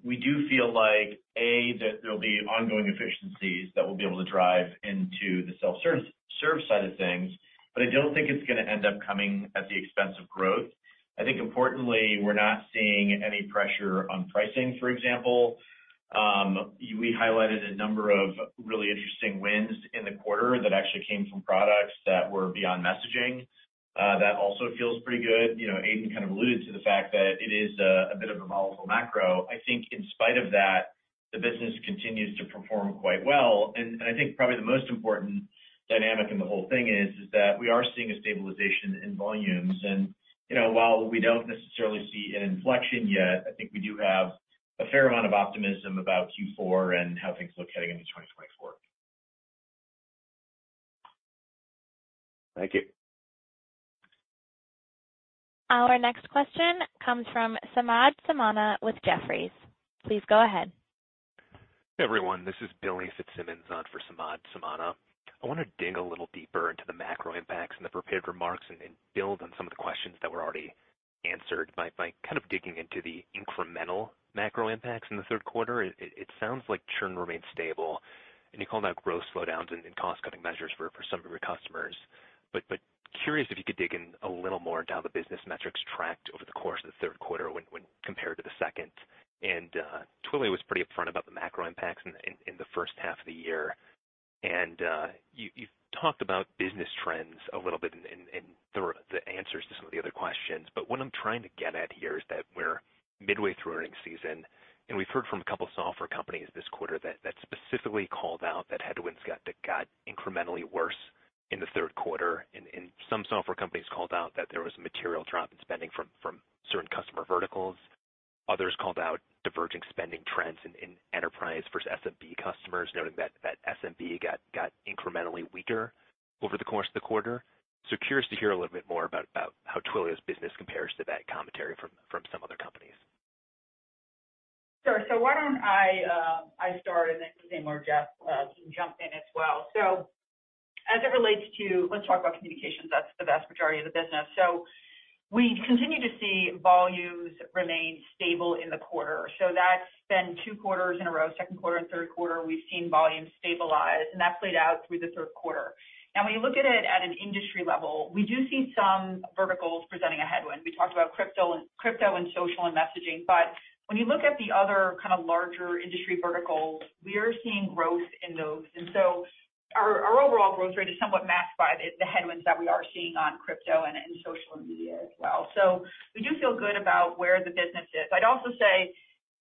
we do feel like, A, that there'll be ongoing efficiencies that we'll be able to drive into the self-service service side of things, but I don't think it's gonna end up coming at the expense of growth. I think importantly, we're not seeing any pressure on pricing, for example. We highlighted a number of really interesting wins in the quarter that actually came from products that were beyond messaging. That also feels pretty good. You know, Aidan kind of alluded to the fact that it is a bit of a volatile macro. I think in spite of that, the business continues to perform quite well. I think probably the most important dynamic in the whole thing is that we are seeing a stabilization in volumes. You know, while we don't necessarily see an inflection yet, I think we do have a fair amount of optimism about Q4 and how things look heading into 2024. Thank you. Our next question comes from Samad Samana with Jefferies. Please go ahead. Everyone, this is Billy Fitzsimmons on for Samad Samana. I want to dig a little deeper into the macro impacts and the prepared remarks and build on some of the questions that were already answered by kind of digging into the incremental macro impacts in the third quarter. It sounds like churn remains stable, and you called out growth slowdowns and cost-cutting measures for some of your customers. But curious if you could dig in a little more into how the business metrics tracked over the course of the third quarter when compared to the second. And Twilio was pretty upfront about the macro impacts in the first half of the year. And, you, you've talked about business trends a little bit in the answers to some of the other questions, but what I'm trying to get at here is that we're midway through earnings season, and we've heard from a couple software companies this quarter that specifically called out that headwinds got incrementally worse in the third quarter. And some software companies called out that there was a material drop in spending from certain customer verticals. Others called out diverging spending trends in enterprise versus SMB customers, noting that SMB got incrementally weaker over the course of the quarter. So curious to hear a little bit more about how Twilio's business compares to that commentary from some other companies. Sure. So why don't I start, and then Khozema or Jeff can jump in as well. So as it relates to... Let's talk about Communications. That's the vast majority of the business. So we continue to see volumes remain stable in the quarter. So that's been two quarters in a row, second quarter and third quarter, we've seen volumes stabilize, and that played out through the third quarter. Now, when you look at it at an industry level, we do see some verticals presenting a headwind. We talked about crypto and social and messaging, but when you look at the other kind of larger industry verticals, we are seeing growth in those. And so our overall growth rate is somewhat masked by the headwinds that we are seeing on crypto and in social media as well. So we do feel good about where the business is. I'd also say,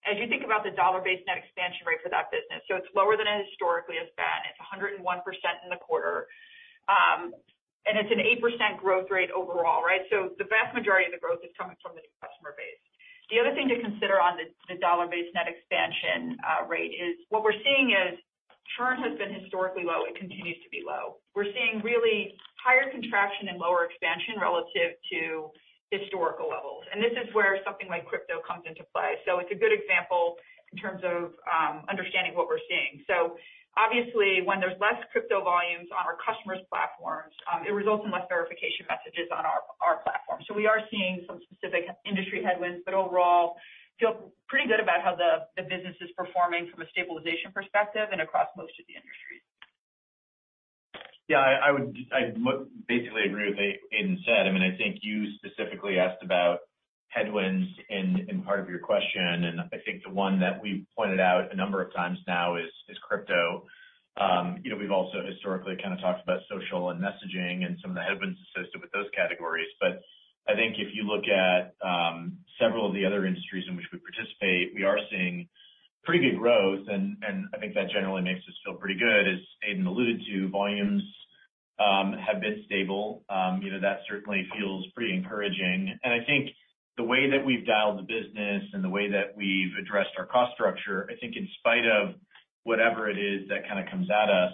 as you dollar-based net expansion rate for that business, so it's lower than it historically has been. It's 101% in the quarter, and it's an 8% growth rate overall, right? So the vast majority of the growth is coming from the new customer base. The other thing to dollar-based net expansion rate is, what we're seeing is churn has been historically low and continues to be low. We're seeing really higher contraction and lower expansion relative to historical levels, and this is where something like crypto comes into play. So it's a good example in terms of understanding what we're seeing. So obviously, when there's less crypto volumes on our customers' platforms, it results in less verification messages on our platform. So we are seeing some specific industry headwinds, but overall, feel pretty good about how the business is performing from a stabilization perspective and across most of the industries. Yeah, I would, I basically agree with what Aidan said. I mean, I think you specifically asked about headwinds in part of your question, and I think the one that we've pointed out a number of times now is crypto. You know, we've also historically kind of talked about social and messaging and some of the headwinds associated with those categories. But I think if you look at several of the other industries in which we participate, we are seeing pretty good growth, and I think that generally makes us feel pretty good. As Aidan alluded to, volumes have been stable. You know, that certainly feels pretty encouraging. I think the way that we've dialed the business and the way that we've addressed our cost structure. I think in spite of whatever it is that kind of comes at us,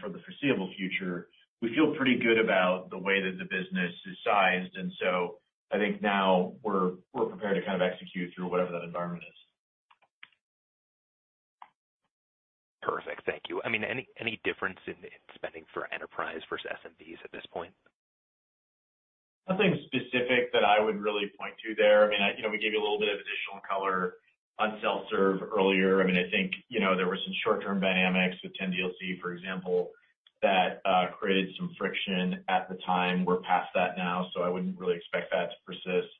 for the foreseeable future, we feel pretty good about the way that the business is sized. And so I think now we're prepared to kind of execute through whatever that environment is. Perfect. Thank you. I mean, any difference in spending for enterprise versus SMBs at this point? Nothing specific that I would really point to there. I mean, you know, we gave you a little bit of additional color on self-serve earlier. I mean, I think, you know, there were some short-term dynamics with 10DLC, for example, that created some friction at the time. We're past that now, so I wouldn't really expect that to persist.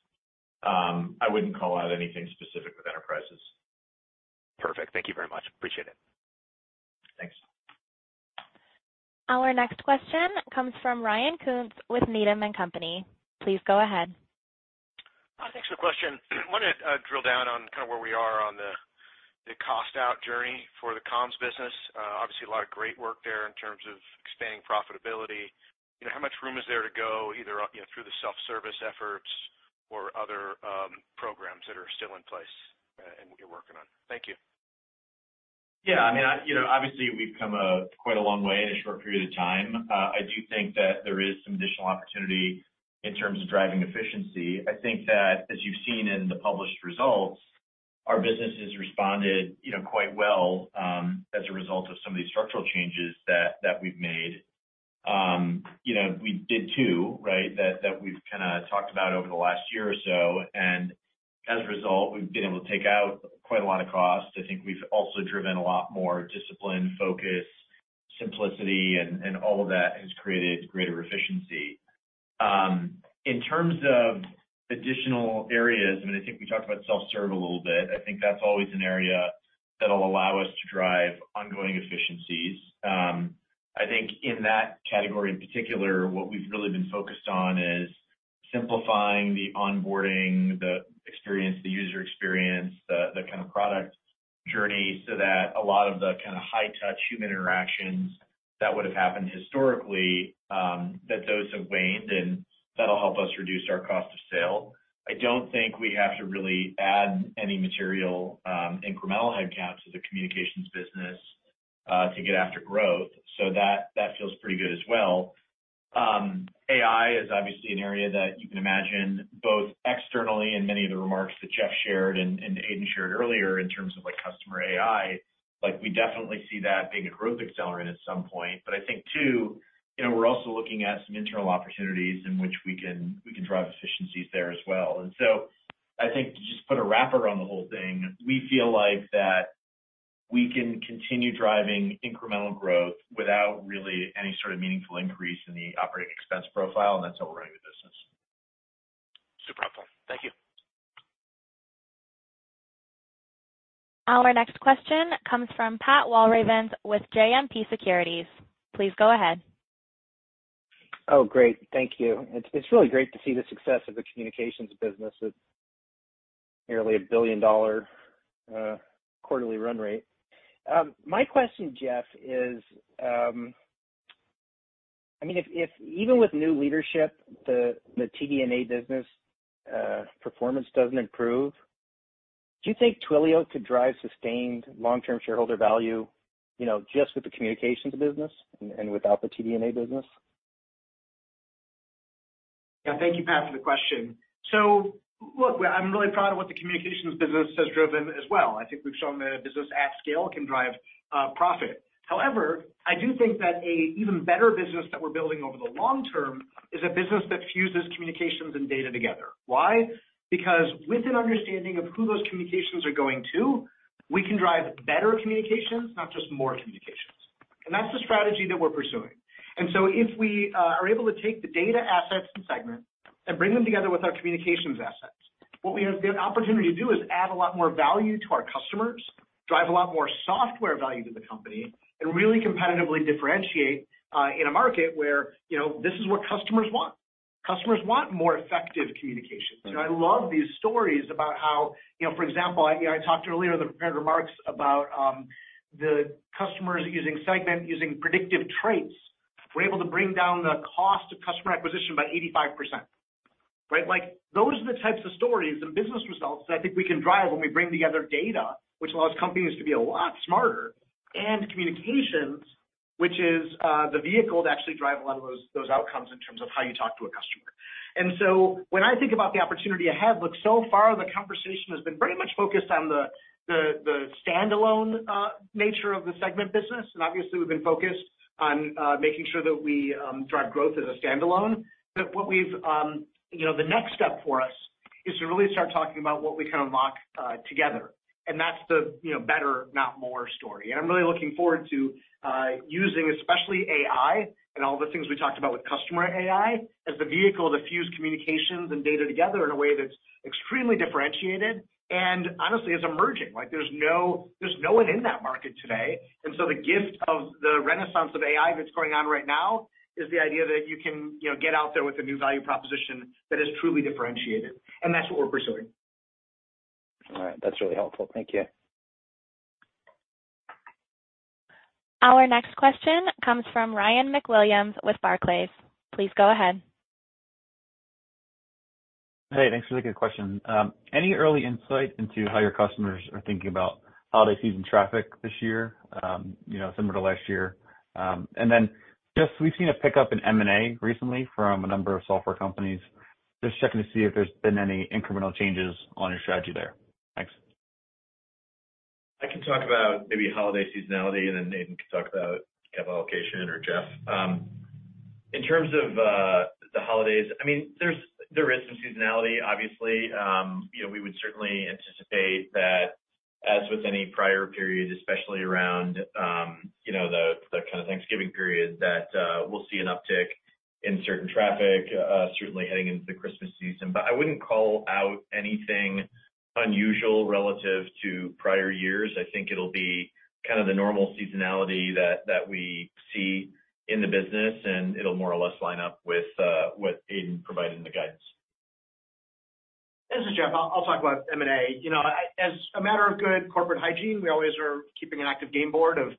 I wouldn't call out anything specific with enterprises. Perfect. Thank you very much. Appreciate it. Thanks. Our next question comes from Ryan Koontz with Needham & Company. Please go ahead. Thanks for the question. I wanted to drill down on kind of where we are on the cost out journey for the comms business. Obviously, a lot of great work there in terms of expanding profitability. You know, how much room is there to go, either, you know, through the self-service efforts or other programs that are still in place, and you're working on? Thank you. Yeah, I mean, I, you know, obviously, we've come quite a long way in a short period of time. I do think that there is some additional opportunity in terms of driving efficiency. I think that as you've seen in the published results, our businesses responded, you know, quite well, as a result of some of these structural changes that we've made. You know, we did too, right? That we've kinda talked about over the last year or so, and as a result, we've been able to take out quite a lot of costs. I think we've also driven a lot more discipline, focus, simplicity, and all of that has created greater efficiency. In terms of additional areas, I mean, I think we talked about self-serve a little bit. I think that's always an area that will allow us to drive ongoing efficiencies. I think in that category in particular, what we've really been focused on is simplifying the onboarding, the experience, the user experience, the kind of product journey, so that a lot of the kind of high-touch human interactions that would have happened historically, that those have waned. That'll help us reduce our cost of sale. I don't think we have to really add any material, incremental headcounts to the Communications business, to get after growth, so that feels pretty good as well. AI is obviously an area that you can imagine, both externally in many of the remarks that Jeff shared and Aidan shared earlier, in terms of, like, Customer AI. Like, we definitely see that being a growth accelerant at some point. But I think, too, you know, we're also looking at some internal opportunities in which we can, we can drive efficiencies there as well. And so I think, to just put a wrapper on the whole thing, we feel like that we can continue driving incremental growth without really any sort of meaningful increase in the operating expense profile, and that's how we're running the business. Super helpful. Thank you. Our next question comes from Pat Walravens with JMP Securities. Please go ahead. Oh, great. Thank you. It's, it's really great to see the success of the Communications business at nearly $1 billion quarterly run rate. My question, Jeff, is, I mean, if, if even with new leadership, the, the TD&A business performance doesn't improve, do you think Twilio could drive sustained long-term shareholder value, you know, just with the Communications business and, and without the TD&A business? Yeah, thank you, Pat, for the question. So look, I'm really proud of what the Communications business has driven as well. I think we've shown the business at scale can drive profit. However, I do think that a even better business that we're building over the long term is a business that fuses communications and data together. Why? Because with an understanding of who those communications are going to, we can drive better communications, not just more communications, and that's the strategy that we're pursuing. And so if we are able to take the data assets from Segment and bring them together with our Communications assets, what we have the opportunity to do is add a lot more value to our customers, drive a lot more software value to the company, and really competitively differentiate in a market where, you know, this is what customers want. Customers want more effective communication. I love these stories about how... You know, for example, I talked earlier in the prepared remarks about the customers using Segment, using predictive traits, we're able to bring down the cost of customer acquisition by 85%, right? Like, those are the types of stories and business results that I think we can drive when we bring together data, which allows companies to be a lot smarter, and communications, which is the vehicle to actually drive a lot of those outcomes in terms of how you talk to a customer. So when I think about the opportunity ahead, look, so far the conversation has been very much focused on the standalone nature of the Segment business. Obviously, we've been focused on making sure that we drive growth as a standalone. But what we've, you know, the next step for us is to really start talking about what we can unlock together, and that's the, you know, better, not more story. And I'm really looking forward to using, especially AI and all the things we talked about with Customer AI, as the vehicle to fuse communications and data together in a way that's extremely differentiated and honestly, it's emerging. Like, there's no, there's no one in that market today. And so the gift of the renaissance of AI that's going on right now is the idea that you can, you know, get out there with a new value proposition that is truly differentiated, and that's what we're pursuing. All right. That's really helpful. Thank you. Our next question comes from Ryan McWilliams with Barclays. Please go ahead. Hey, thanks for the good question. Any early insight into how your customers are thinking about holiday season traffic this year, you know, similar to last year? And then just we've seen a pickup in M&A recently from a number of software companies. Just checking to see if there's been any incremental changes on your strategy there. Thanks. I can talk about maybe holiday seasonality, and then Aidan can talk about capital allocation or Jeff. In terms of the holidays, I mean, there is some seasonality, obviously. You know, we would certainly anticipate that as with any prior period, especially around the kind of Thanksgiving period, that we'll see an uptick in certain traffic, certainly heading into the Christmas season. But I wouldn't call out anything unusual relative to prior years. I think it'll be kind of the normal seasonality that we see in the business, and it'll more or less line up with what Aidan provided in the guidance. This is Jeff. I'll talk about M&A. You know, as a matter of good corporate hygiene, we always are keeping an active game board of,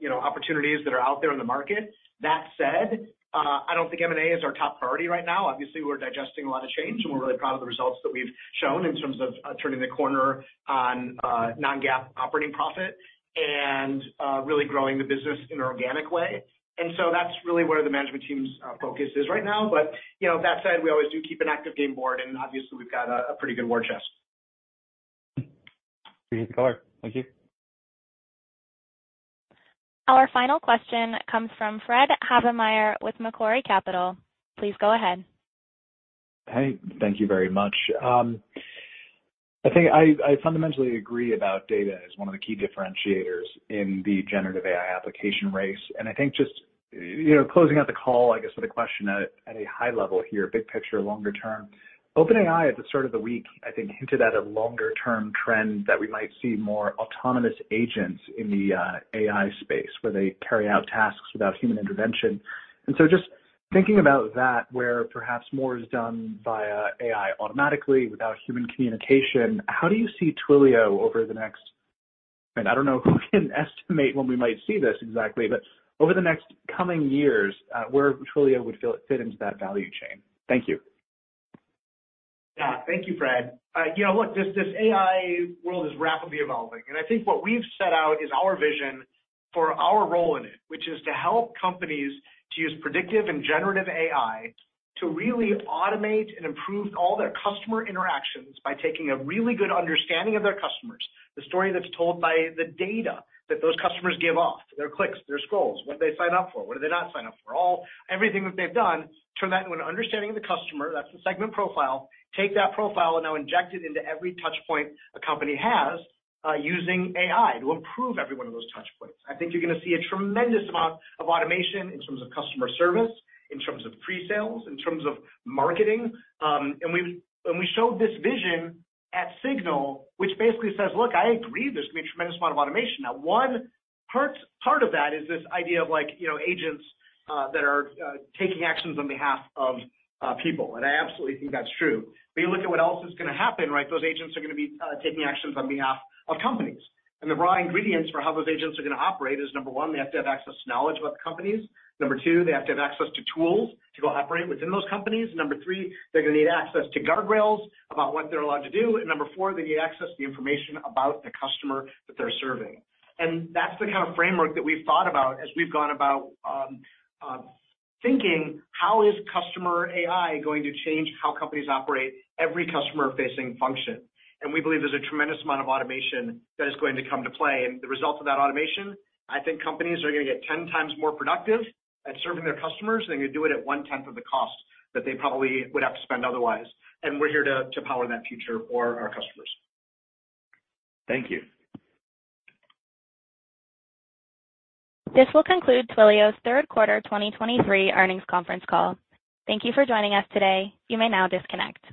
you know, opportunities that are out there in the market. That said, I don't think M&A is our top priority right now. Obviously, we're digesting a lot of change, and we're really proud of the results that we've shown in terms of turning the corner on non-GAAP operating profit and really growing the business in an organic way. And so that's really where the management team's focus is right now. But, you know, that said, we always do keep an active game board, and obviously, we've got a pretty good war chest. Appreciate the color. Thank you. Our final question comes from Fred Havemeyer with Macquarie Capital. Please go ahead. Hey, thank you very much. I think I fundamentally agree about data as one of the key differentiators in the generative AI application race. And I think just, you know, closing out the call, I guess, with a question at a high level here, big picture, longer term. OpenAI, at the start of the week, I think, hinted at a longer-term trend that we might see more autonomous agents in the AI space, where they carry out tasks without human intervention. And so just thinking about that, where perhaps more is done via AI automatically without human communication, how do you see Twilio over the next, and I don't know who can estimate when we might see this exactly, but over the next coming years, where Twilio would feel it fit into that value chain? Thank you. Yeah, thank you, Fred. You know, look, this AI world is rapidly evolving, and I think what we've set out is our vision for our role in it, which is to help companies to use predictive and generative AI to really automate and improve all their customer interactions by taking a really good understanding of their customers, the story that's told by the data that those customers give off, their clicks, their scrolls, what they sign up for, what do they not sign up for, everything that they've done, turn that into an understanding of the customer, that's the Segment profile, take that profile and now inject it into every touch point a company has, using AI to improve every one of those touch points. I think you're gonna see a tremendous amount of automation in terms of customer service, in terms of pre-sales, in terms of marketing. And we showed this vision at SIGNAL, which basically says, "Look, I agree there's gonna be a tremendous amount of automation." Now, one part of that is this idea of like, you know, agents that are taking actions on behalf of people, and I absolutely think that's true. But you look at what else is gonna happen, right? Those agents are gonna be taking actions on behalf of companies. And the raw ingredients for how those agents are gonna operate is, number one, they have to have access to knowledge about the companies. Number two, they have to have access to tools to go operate within those companies. Number three, they're gonna need access to guardrails about what they're allowed to do. And number four, they need access to the information about the customer that they're serving. And that's the kind of framework that we've thought about as we've gone about thinking, how is Customer AI going to change how companies operate every customer-facing function? And we believe there's a tremendous amount of automation that is going to come to play. And the result of that automation, I think companies are gonna get 10 times more productive at serving their customers, and they're gonna do it at one tenth of the cost that they probably would have to spend otherwise. And we're here to power that future for our customers. Thank you. This will conclude Twilio's third quarter 2023 earnings conference call. Thank you for joining us today. You may now disconnect.